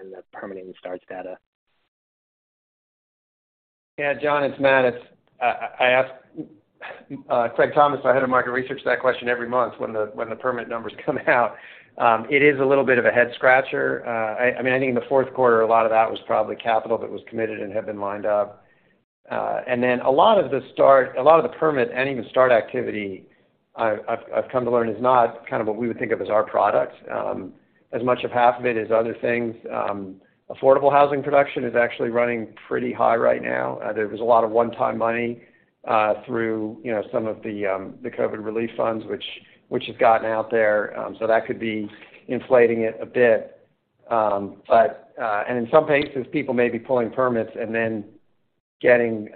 in the permanent and starts data? Yeah, John, it's Matt. It's I ask Craig Thomas, our Head of Market Research, that question every month when the permit numbers come out. It is a little bit of a head scratcher. I mean, I think in the fourth quarter, a lot of that was probably capital that was committed and had been lined up. Then a lot of the permit and even start activity I've come to learn is not kind of what we would think of as our product. As much of half of it is other things. Affordable housing production is actually running pretty high right now. There was a lot of one-time money, through, you know, some of the COVID relief funds, which has gotten out there. That could be inflating it a bit. In some cases, people may be pulling permits and then getting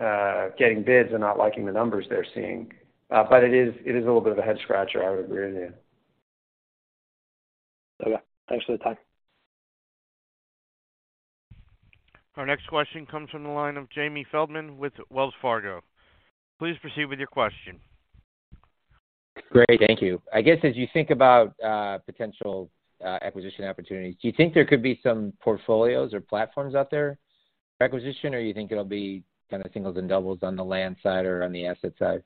bids and not liking the numbers they're seeing. It is a little bit of a head scratcher, I would agree with you. Okay. Thanks for the time. Our next question comes from the line of Jamie Feldman with Wells Fargo. Please proceed with your question. Great. Thank you. I guess, as you think about potential acquisition opportunities, do you think there could be some portfolios or platforms out there for acquisition, or you think it'll be kind of singles and doubles on the land side or on the asset side?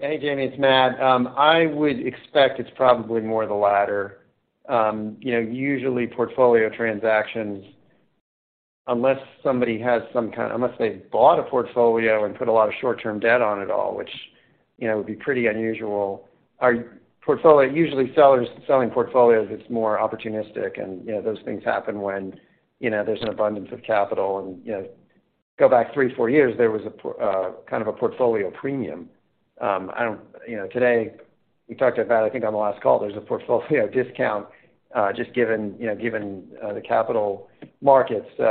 Hey, Jamie, it's Matt. I would expect it's probably more the latter. You know, usually portfolio transactions, unless they've bought a portfolio and put a lot of short-term debt on it all, which, you know, would be pretty unusual. Usually sellers selling portfolios, it's more opportunistic and, you know, those things happen when, you know, there's an abundance of capital and, you know. Go back 3, 4 years, there was a kind of a portfolio premium. I don't. You know, today, we talked about, I think on the last call, there's a portfolio discount, just given, you know, given, the capital markets. We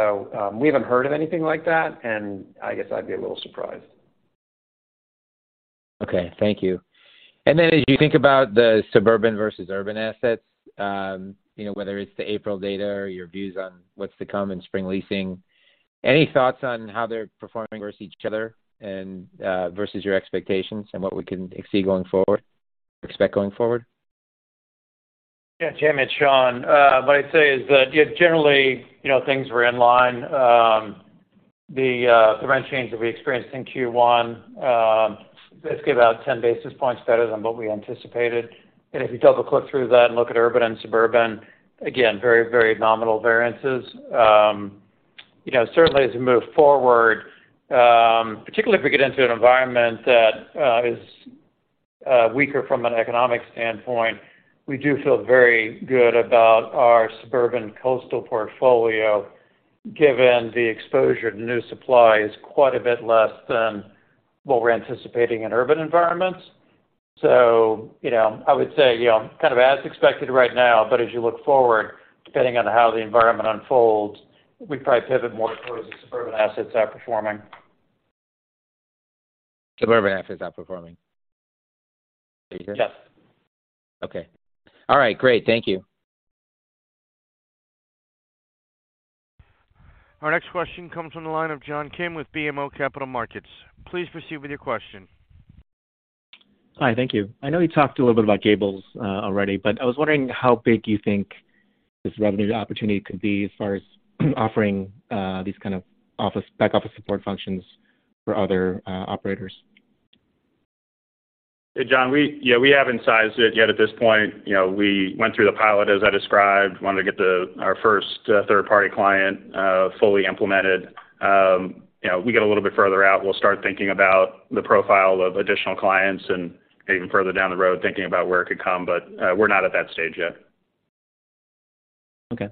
haven't heard of anything like that, and I guess I'd be a little surprised. Okay. Thank you. As you think about the suburban versus urban assets, you know, whether it's the April data or your views on what's to come in spring leasing, any thoughts on how they're performing versus each other and, versus your expectations and what we can see going forward or expect going forward? Yeah, Jamie, it's Sean. What I'd say is that, yeah, generally, you know, things were in line. The rent change that we experienced in Q1, it's gave out 10 basis points better than what we anticipated. If you double-click through that and look at urban and suburban, again, very, very nominal variances. You know, certainly as we move forward, particularly if we get into an environment that is weaker from an economic standpoint, we do feel very good about our suburban coastal portfolio, given the exposure to new supply is quite a bit less than what we're anticipating in urban environments. You know, I would say, you know, kind of as expected right now, but as you look forward, depending on how the environment unfolds, we probably pivot more towards the suburban assets outperforming. Suburban assets outperforming? Did I hear? Yes. Okay. All right. Great. Thank you. Our next question comes from the line of John Kim with BMO Capital Markets. Please proceed with your question. Hi. Thank you. I know you talked a little bit about Gables already, I was wondering how big you think this revenue opportunity could be as far as offering these kind of back office support functions for other operators. Hey, John. We, yeah, we haven't sized it yet at this point. You know, we went through the pilot, as I described, wanted to get our first third-party client fully implemented. You know, we get a little bit further out, we'll start thinking about the profile of additional clients and even further down the road, thinking about where it could come. We're not at that stage yet. Okay.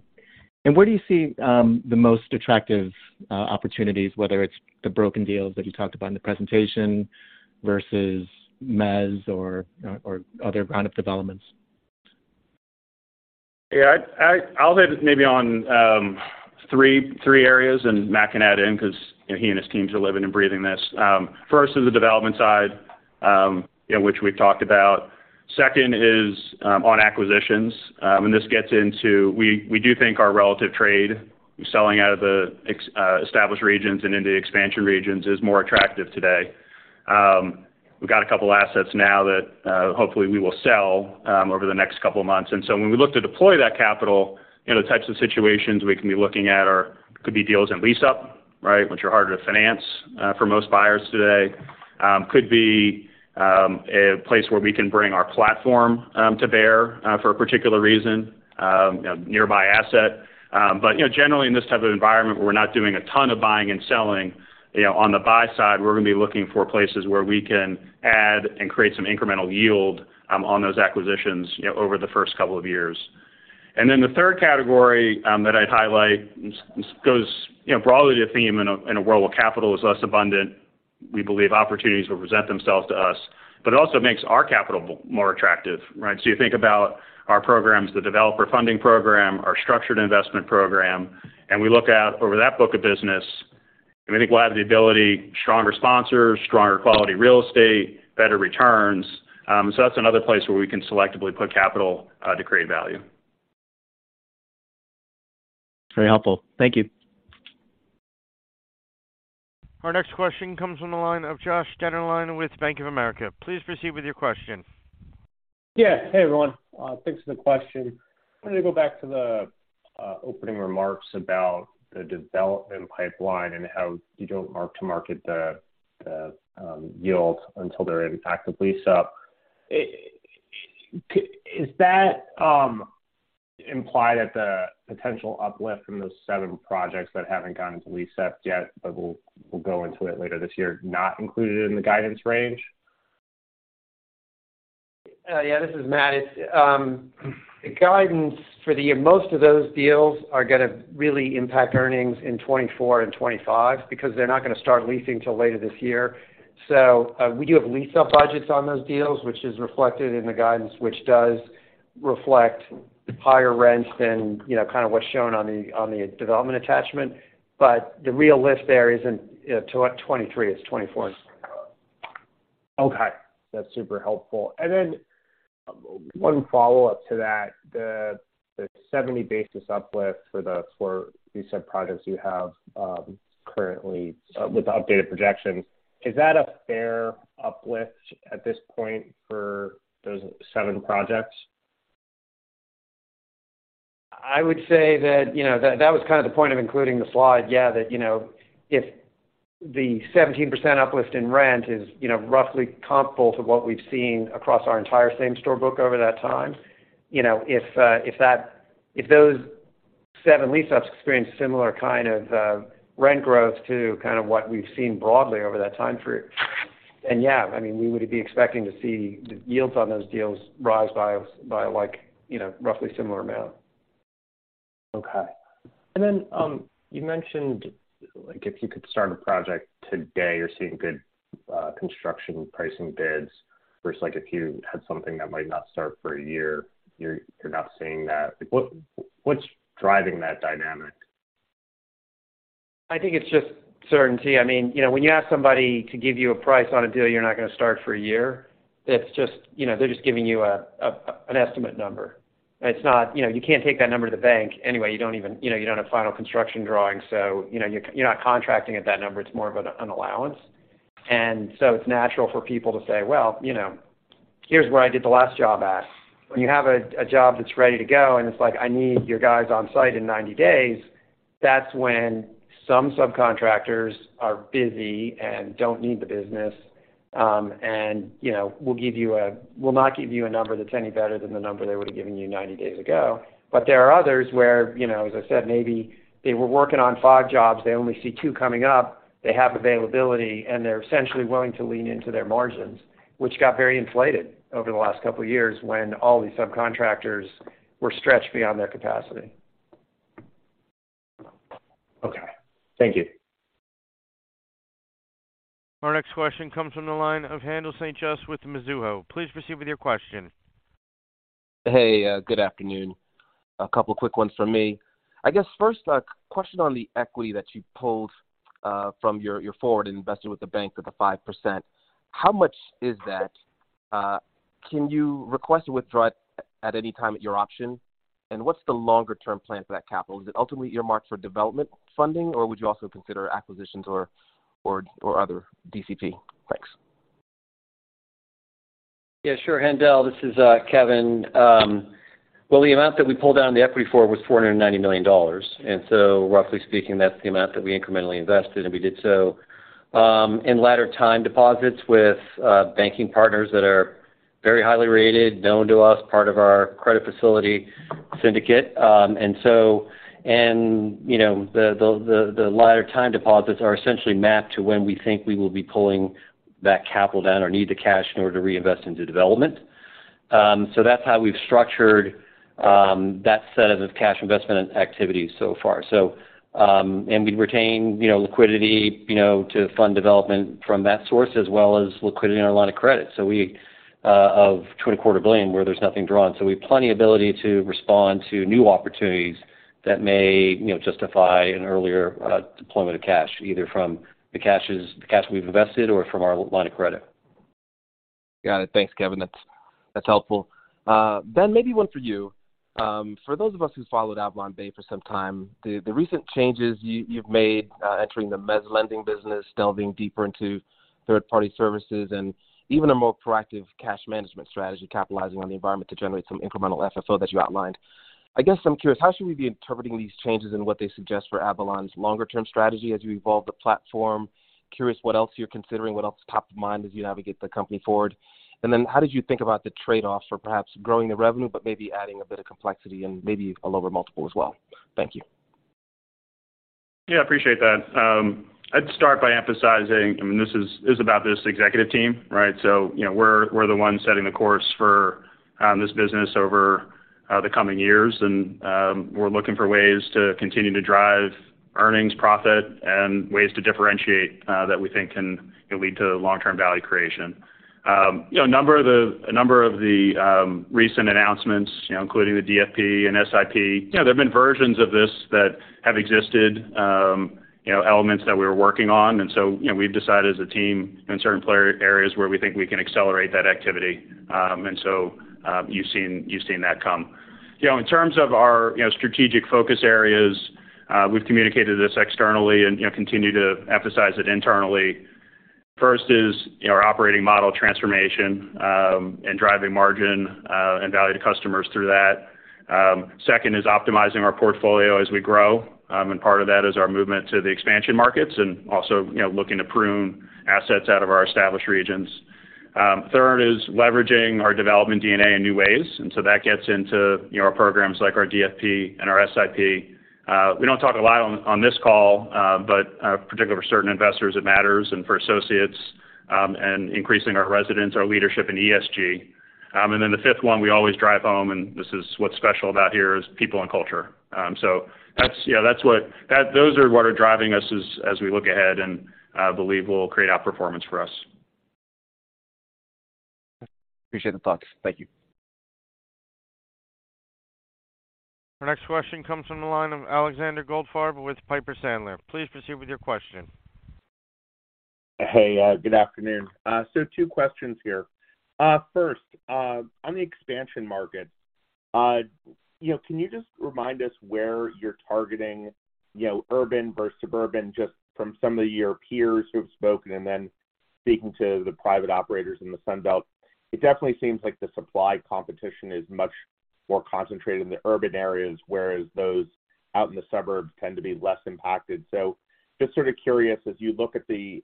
Where do you see the most attractive opportunities, whether it's the broken deals that you talked about in the presentation versus mezz or other ground-up developments? Yeah. I'll hit maybe on 3 areas, and Matt can add in because, you know, he and his team are living and breathing this. First is the development side, you know, which we've talked about. Second is on acquisitions, and this gets into we do think our relative trade, selling out of the established regions and into the expansion regions is more attractive today. We've got a couple assets now that hopefully we will sell over the next couple of months. When we look to deploy that capital, you know, the types of situations we can be looking at are, could be deals in lease up, right, which are harder to finance for most buyers today. Could be a place where we can bring our platform to bear for a particular reason, you know, nearby asset. You know, generally in this type of environment where we're not doing a ton of buying and selling, you know, on the buy side, we're gonna be looking for places where we can add and create some incremental yield on those acquisitions, you know, over the first couple of years. Then the third category that I'd highlight goes, you know, broadly to theme in a world where capital is less abundant. We believe opportunities will present themselves to us, but it also makes our capital more attractive, right? You think about our programs, the Developer Funding Program, our Structured Investment Program, and we look out over that book of business, and we think we'll have the ability, stronger sponsors, stronger quality real estate, better returns. That's another place where we can selectively put capital to create value. Very helpful. Thank you. Our next question comes from the line of Joshua Dennerlein with Bank of America. Please proceed with your question. Yeah. Hey, everyone. Thanks for the question. I'm gonna go back to the opening remarks about the development pipeline and how you don't mark-to-market the yield until they're in actively lease up. Is that implied at the potential uplift from those seven projects that haven't gone into lease ups yet, but we'll go into it later this year, not included in the guidance range? Yeah, this is Matt. It's the guidance for the year, most of those deals are gonna really impact earnings in 2024 and 2025 because they're not gonna start leasing till later this year. We do have lease up budgets on those deals, which is reflected in the guidance, which does reflect higher rents than, you know, kind of what's shown on the, on the development attachment. The real lift there isn't, you know, till 2023, it's 2024. Okay. That's super helpful. One follow-up to that, the 70 basis uplift for these said projects you have currently with the updated projections, is that a fair uplift at this point for those 7 projects? I would say that, you know, that was kind of the point of including the slide, yeah, that, you know, if the 17% uplift in rent is, you know, roughly comparable to what we've seen across our entire same store book over that time, you know, if those seven lease ups experience similar kind of, rent growth to kind of what we've seen broadly over that time frame, then, yeah, I mean, we would be expecting to see the yields on those deals rise by like, you know, roughly similar amount. Okay. you mentioned, like, if you could start a project today, you're seeing good construction pricing bids, versus, like, if you had something that might not start for a year, you're not seeing that. Like, what's driving that dynamic? I think it's just certainty. I mean, you know, when you ask somebody to give you a price on a deal you're not gonna start for a year, it's just, you know, they're just giving you an estimate number. It's not. You know, you can't take that number to the bank anyway. You don't even, you know, you don't have final construction drawings, so, you know, you're not contracting at that number. It's more of an allowance. It's natural for people to say, "Well, you know, here's where I did the last job at." When you have a job that's ready to go and it's like, "I need your guys on site in 90 days," that's when some subcontractors are busy and don't need the business, and, you know, will not give you a number that's any better than the number they would have given you 90 days ago. There are others where, you know, as I said, maybe they were working on five jobs, they only see two coming up, they have availability, and they're essentially willing to lean into their margins, which got very inflated over the last couple of years when all these subcontractors were stretched beyond their capacity. Okay. Thank you. Our next question comes from the line of Haendel St. Juste with Mizuho. Please proceed with your question. Good afternoon. A couple quick ones from me. I guess first, a question on the equity that you pulled from your forward investment with the bank with the 5%. How much is that? Can you request to withdraw it at any time at your option? What's the longer term plan for that capital? Is it ultimately earmarked for development funding, or would you also consider acquisitions or, or other DCP? Thanks. Yeah, sure, Haendel. This is Kevin. Well, the amount that we pulled down the equity for was $490 million. Roughly speaking, that's the amount that we incrementally invested, and we did so in latter time deposits with banking partners that are very highly rated, known to us, part of our credit facility syndicate. You know, the latter time deposits are essentially mapped to when we think we will be pulling that capital down or need the cash in order to reinvest into development. That's how we've structured that set of cash investment activities so far. We retain, you know, liquidity, you know, to fund development from that source, as well as liquidity in our line of credit. We of twenty-quarter billion where there's nothing drawn. We have plenty ability to respond to new opportunities that may, you know, justify an earlier deployment of cash, either from the cash we've invested or from our line of credit. Got it. Thanks, Kevin. That's helpful. Ben, maybe one for you. For those of us who followed AvalonBay for some time, the recent changes you've made, entering the mezz lending business, delving deeper into third-party services, and even a more proactive cash management strategy, capitalizing on the environment to generate some incremental FFO that you outlined. I guess I'm curious, how should we be interpreting these changes and what they suggest for Avalon's longer term strategy as you evolve the platform? Curious what else you're considering, what else is top of mind as you navigate the company forward. How did you think about the trade-offs for perhaps growing the revenue, but maybe adding a bit of complexity and maybe a lower multiple as well? Thank you. Yeah, I appreciate that. I'd start by emphasizing, I mean, this is about this executive team, right? We're the ones setting the course for this business over the coming years. We're looking for ways to continue to drive earnings, profit, and ways to differentiate that we think can, you know, lead to long-term value creation. A number of the recent announcements, you know, including the DFP and SIP, you know, there have been versions of this that have existed, you know, elements that we were working on. We've decided as a team in certain play areas where we think we can accelerate that activity. You've seen that come. You know, in terms of our, you know, strategic focus areas, we've communicated this externally and, you know, continue to emphasize it internally. First is, you know, our operating model transformation, and driving margin, and value to customers through that. Second is optimizing our portfolio as we grow, and part of that is our movement to the expansion markets and also, you know, looking to prune assets out of our established regions. Third is leveraging our development DNA in new ways, and so that gets into, you know, our programs like our DFP and our SIP. We don't talk a lot on this call, but particularly for certain investors it matters and for associates, and increasing our residents, our leadership in ESG. The fifth one we always drive home, and this is what's special about here, is people and culture. That's, you know, those are what are driving us as we look ahead and believe will create outperformance for us. Appreciate the thoughts. Thank you. Our next question comes from the line of Alexander Goldfarb with Piper Sandler. Please proceed with your question. Hey, good afternoon. Two questions here. First, on the expansion market, you know, can you just remind us where you're targeting, you know, urban versus suburban, just from some of your peers who have spoken and then speaking to the private operators in the Sun Belt? It definitely seems like the supply competition is much more concentrated in the urban areas, whereas those out in the suburbs tend to be less impacted. Just sort of curious, as you look at the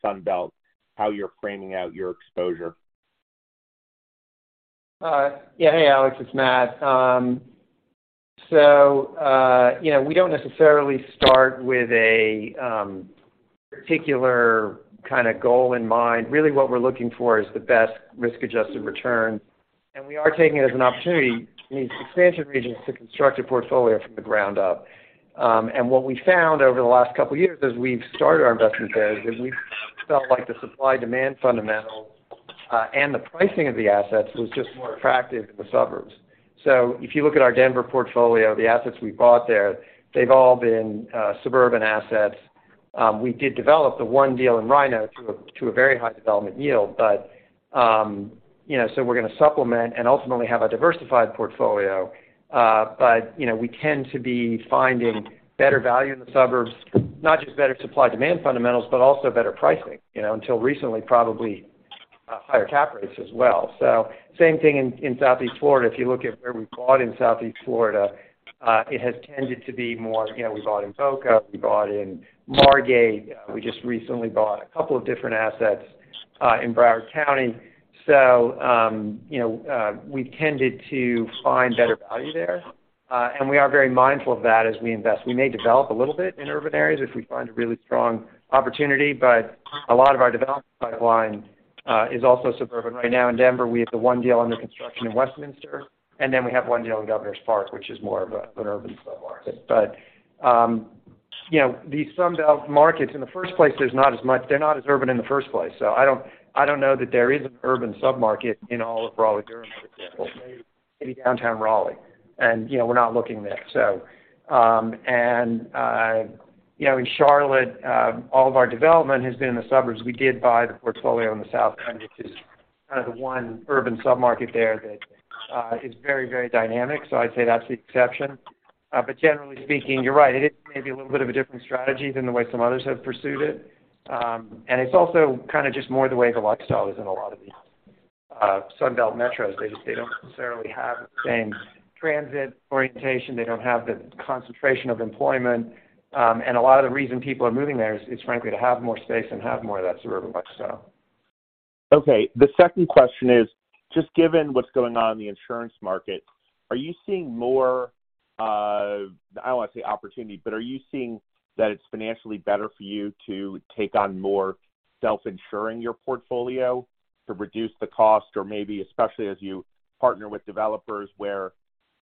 Sun Belt, how you're framing out your exposure? Yeah. Hey, Alex, it's Matt. You know, we don't necessarily start with a particular kind of goal in mind. Really what we're looking for is the best risk-adjusted return, and we are taking it as an opportunity in these expansion regions to construct a portfolio from the ground up. What we found over the last couple years as we've started our investment phase is we've felt like the supply-demand fundamental and the pricing of the assets was just more attractive in the suburbs. If you look at our Denver portfolio, the assets we bought there, they've all been suburban assets. We did develop the 1 deal in Reno to a very high development yield, but, you know, we're gonna supplement and ultimately have a diversified portfolio. You know, we tend to be finding better value in the suburbs, not just better supply-demand fundamentals, but also better pricing. You know, until recently, probably, higher cap rates as well. Same thing in Southeast Florida. If you look at where we've bought in Southeast Florida, it has tended to be more, you know, we bought in Boca, we bought in Margate. We just recently bought a couple of different assets, in Broward County. You know, we've tended to find better value there, and we are very mindful of that as we invest. We may develop a little bit in urban areas if we find a really strong opportunity, but a lot of our development pipeline, is also suburban. Right now in Denver, we have the one deal under construction in Westminster, and then we have one deal in Governor's Park, which is more of an urban sub-market. You know, these Sun Belt markets, in the first place They're not as urban in the first place. I don't, I don't know that there is an urban sub-market in all of Raleigh-Durham, for example, maybe downtown Raleigh, and, you know, we're not looking there. You know, in Charlotte, all of our development has been in the suburbs. We did buy the portfolio in the South End, which is kind of the one urban sub-market there that is very, very dynamic. I'd say that's the exception. Generally speaking, you're right. It is maybe a little bit of a different strategy than the way some others have pursued it. It's also kind of just more the way the lifestyle is in a lot of these Sun Belt metros. They don't necessarily have the same transit orientation. They don't have the concentration of employment. A lot of the reason people are moving there is frankly to have more space and have more of that suburban lifestyle. The second question is, just given what's going on in the insurance market, are you seeing more, I don't wanna say opportunity, but are you seeing that it's financially better for you to take on more self-insuring your portfolio to reduce the cost? Or maybe especially as you partner with developers, where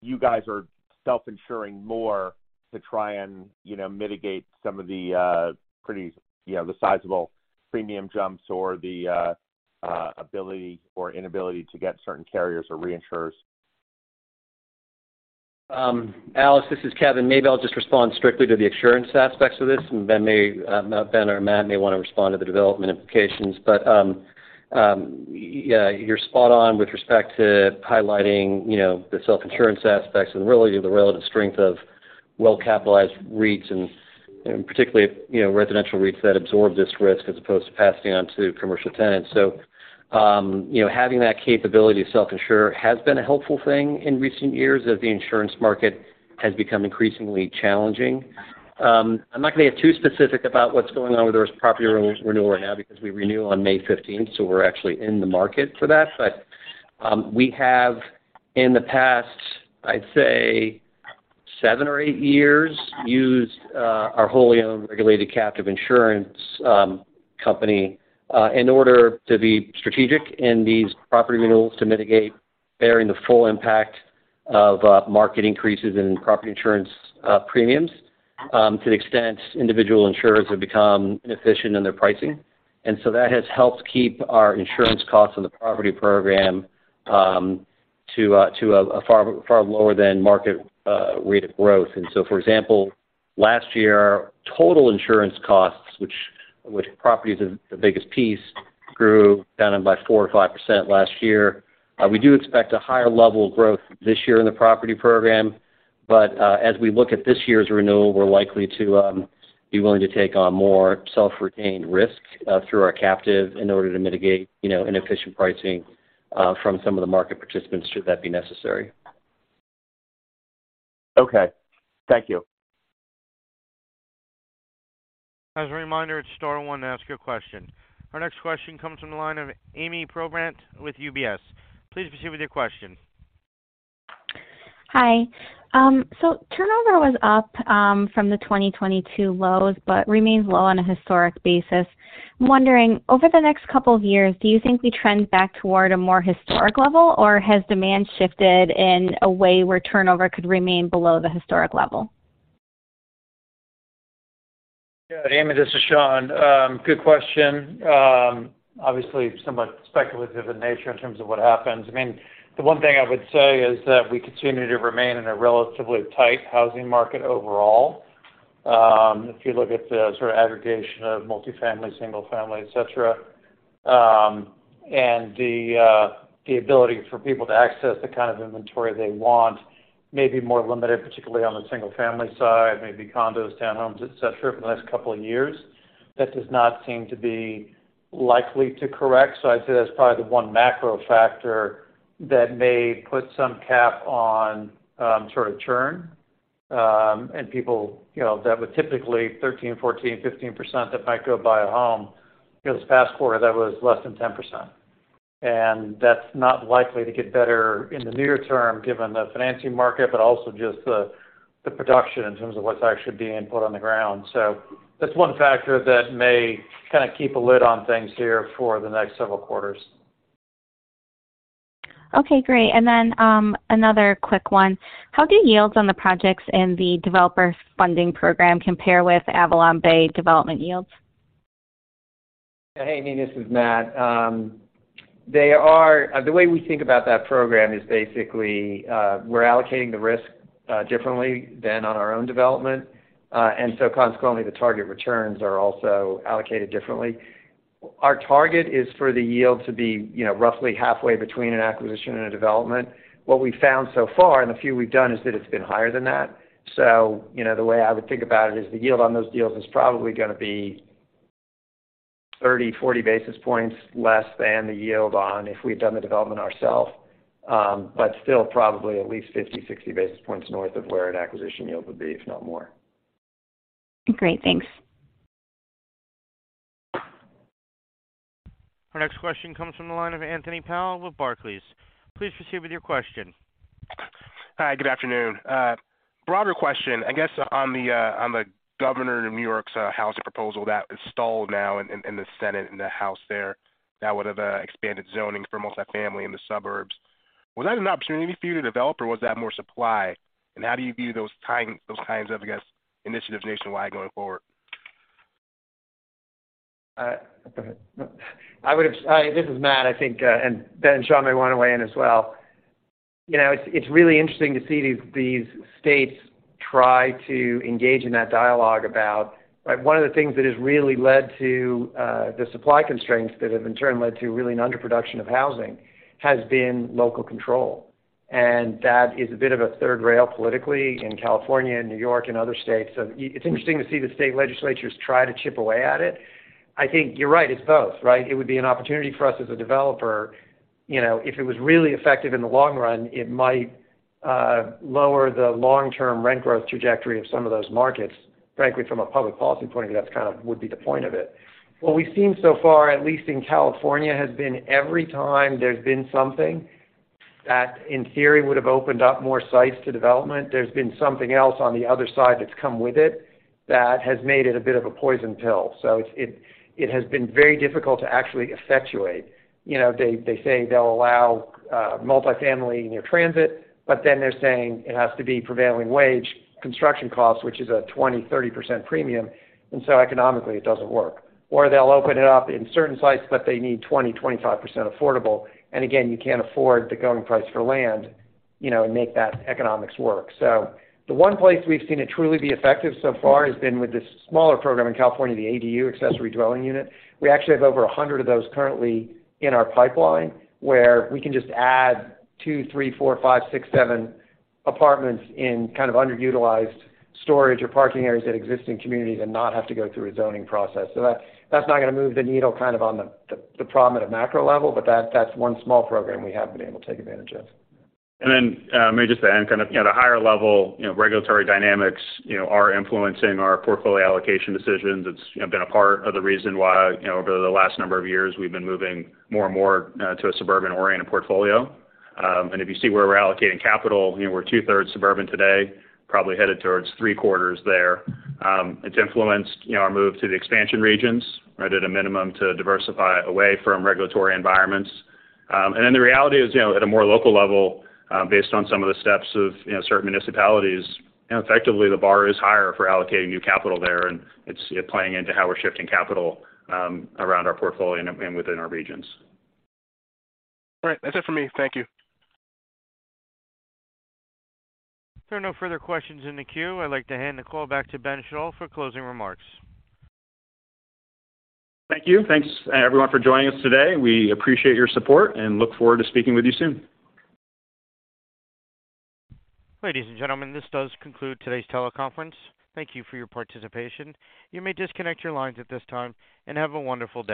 you guys are self-insuring more to try and, you know, mitigate some of the, pretty, you know, the sizable premium jumps or the, ability or inability to get certain carriers or reinsurers? Alex, this is Kevin. Maybe I'll just respond strictly to the insurance aspects of this, and Ben or Matt may wanna respond to the development implications. Yeah, you're spot on with respect to highlighting, you know, the self-insurance aspects and really the relative strength of well-capitalized REITs and particularly, you know, residential REITs that absorb this risk as opposed to passing on to commercial tenants. You know, having that capability to self-insure has been a helpful thing in recent years as the insurance market has become increasingly challenging. I'm not gonna get too specific about what's going on with our property renewal now because we renew on May 15th, so we're actually in the market for that. We have in the past, I'd say 7 or 8 years, used our wholly-owned regulated captive insurance company in order to be strategic in these property renewals to mitigate bearing the full impact of market increases in property insurance premiums to the extent individual insurers have become inefficient in their pricing. That has helped keep our insurance costs in the property program to a far, far lower than market rate of growth. For example, last year, total insurance costs, which property is the biggest piece. Grew down by 4% or 5% last year. We do expect a higher level of growth this year in the property program. As we look at this year's renewal, we're likely to be willing to take on more self-retained risk through our captive in order to mitigate, you know, inefficient pricing from some of the market participants should that be necessary. Thank you. As a reminder, star one to ask your question. Our next question comes from the line of Amy Previte with UBS. Please proceed with your question. Hi. Turnover was up from the 2022 lows, but remains low on a historic basis. I'm wondering, over the next couple of years, do you think we trend back toward a more historic level, or has demand shifted in a way where turnover could remain below the historic level? Yeah, Amy, this is Sean. Good question. Obviously, somewhat speculative in nature in terms of what happens. I mean, the one thing I would say is that we continue to remain in a relatively tight housing market overall. If you look at the sort of aggregation of multifamily, single family, et cetera, and the ability for people to access the kind of inventory they want may be more limited, particularly on the single family side, maybe condos, townhomes, et cetera, for the next couple of years. That does not seem to be likely to correct. I'd say that's probably the one macro factor that may put some cap on, sort of churn, and people, you know, that would typically 13%, 14%, 15% that might go buy a home. You know, this past quarter, that was less than 10%. That's not likely to get better in the near term given the financing market, but also just the production in terms of what's actually being put on the ground. That's one factor that may kind of keep a lid on things here for the next several quarters. Okay, great. Another quick one. How do yields on the projects in the Developer Funding Program compare with AvalonBay development yields? Hey, Amy, this is Matt. The way we think about that program is basically, we're allocating the risk differently than on our own development. Consequently, the target returns are also allocated differently. Our target is for the yield to be, you know, roughly halfway between an acquisition and a development. What we found so far in the few we've done is that it's been higher than that. You know, the way I would think about it is the yield on those deals is probably gonna be 30, 40 basis points less than the yield on if we'd done the development ourself, but still probably at least 50, 60 basis points north of where an acquisition yield would be, if not more. Great. Thanks. Our next question comes from the line of Anthony Powell with Barclays. Please proceed with your question. Hi, good afternoon. Broader question, I guess, on the governor of New York's housing proposal that is stalled now in the Senate, in the House there, that would have expanded zoning for multifamily in the suburbs. Was that an opportunity for you to develop or was that more supply? How do you view those kinds of, I guess, initiatives nationwide going forward? Go ahead. This is Matt, I think, and Ben and Sean may wanna weigh in as well. You know, it's really interesting to see these states try to engage in that dialogue about... One of the things that has really led to the supply constraints that have in turn led to really an underproduction of housing has been local control. That is a bit of a third rail politically in California and New York and other states. It's interesting to see the state legislatures try to chip away at it. I think you're right, it's both, right? It would be an opportunity for us as a developer. You know, if it was really effective in the long run, it might lower the long-term rent growth trajectory of some of those markets. Frankly, from a public policy point of view, that's kind of would be the point of it. What we've seen so far, at least in California, has been every time there's been something that in theory would have opened up more sites to development, there's been something else on the other side that's come with it that has made it a bit of a poison pill. It's been very difficult to actually effectuate. You know, they say they'll allow multifamily near transit, but then they're saying it has to be prevailing wage construction cost, which is a 20-30% premium, and so economically, it doesn't work. They'll open it up in certain sites, but they need 20-25% affordable. Again, you can't afford the going price for land, you know, and make that economics work. The one place we've seen it truly be effective so far has been with this smaller program in California, the ADU, accessory dwelling unit. We actually have over 100 of those currently in our pipeline, where we can just add 2, 3, 4, 5, 6, 7 apartments in kind of underutilized storage or parking areas at existing communities and not have to go through a zoning process. That's not gonna move the needle kind of on the problem at a macro level, but that's one small program we have been able to take advantage of. Maybe just to add kind of, you know, the higher level, you know, regulatory dynamics, you know, are influencing our portfolio allocation decisions. It's, you know, been a part of the reason why, you know, over the last number of years, we've been moving more and more to a suburban-oriented portfolio. If you see where we're allocating capital, you know, we're two-thirds suburban today, probably headed towards three-quarters there. It's influenced, you know, our move to the expansion regions, right, at a minimum to diversify away from regulatory environments. The reality is, you know, at a more local level, based on some of the steps of, you know, certain municipalities, you know, effectively the bar is higher for allocating new capital there, and it's playing into how we're shifting capital around our portfolio and within our regions. All right. That's it for me. Thank you. If there are no further questions in the queue, I'd like to hand the call back to Ben Schall for closing remarks. Thank you. Thanks, everyone for joining us today. We appreciate your support and look forward to speaking with you soon. Ladies and gentlemen, this does conclude today's teleconference. Thank you for your participation. You may disconnect your lines at this time, and have a wonderful day.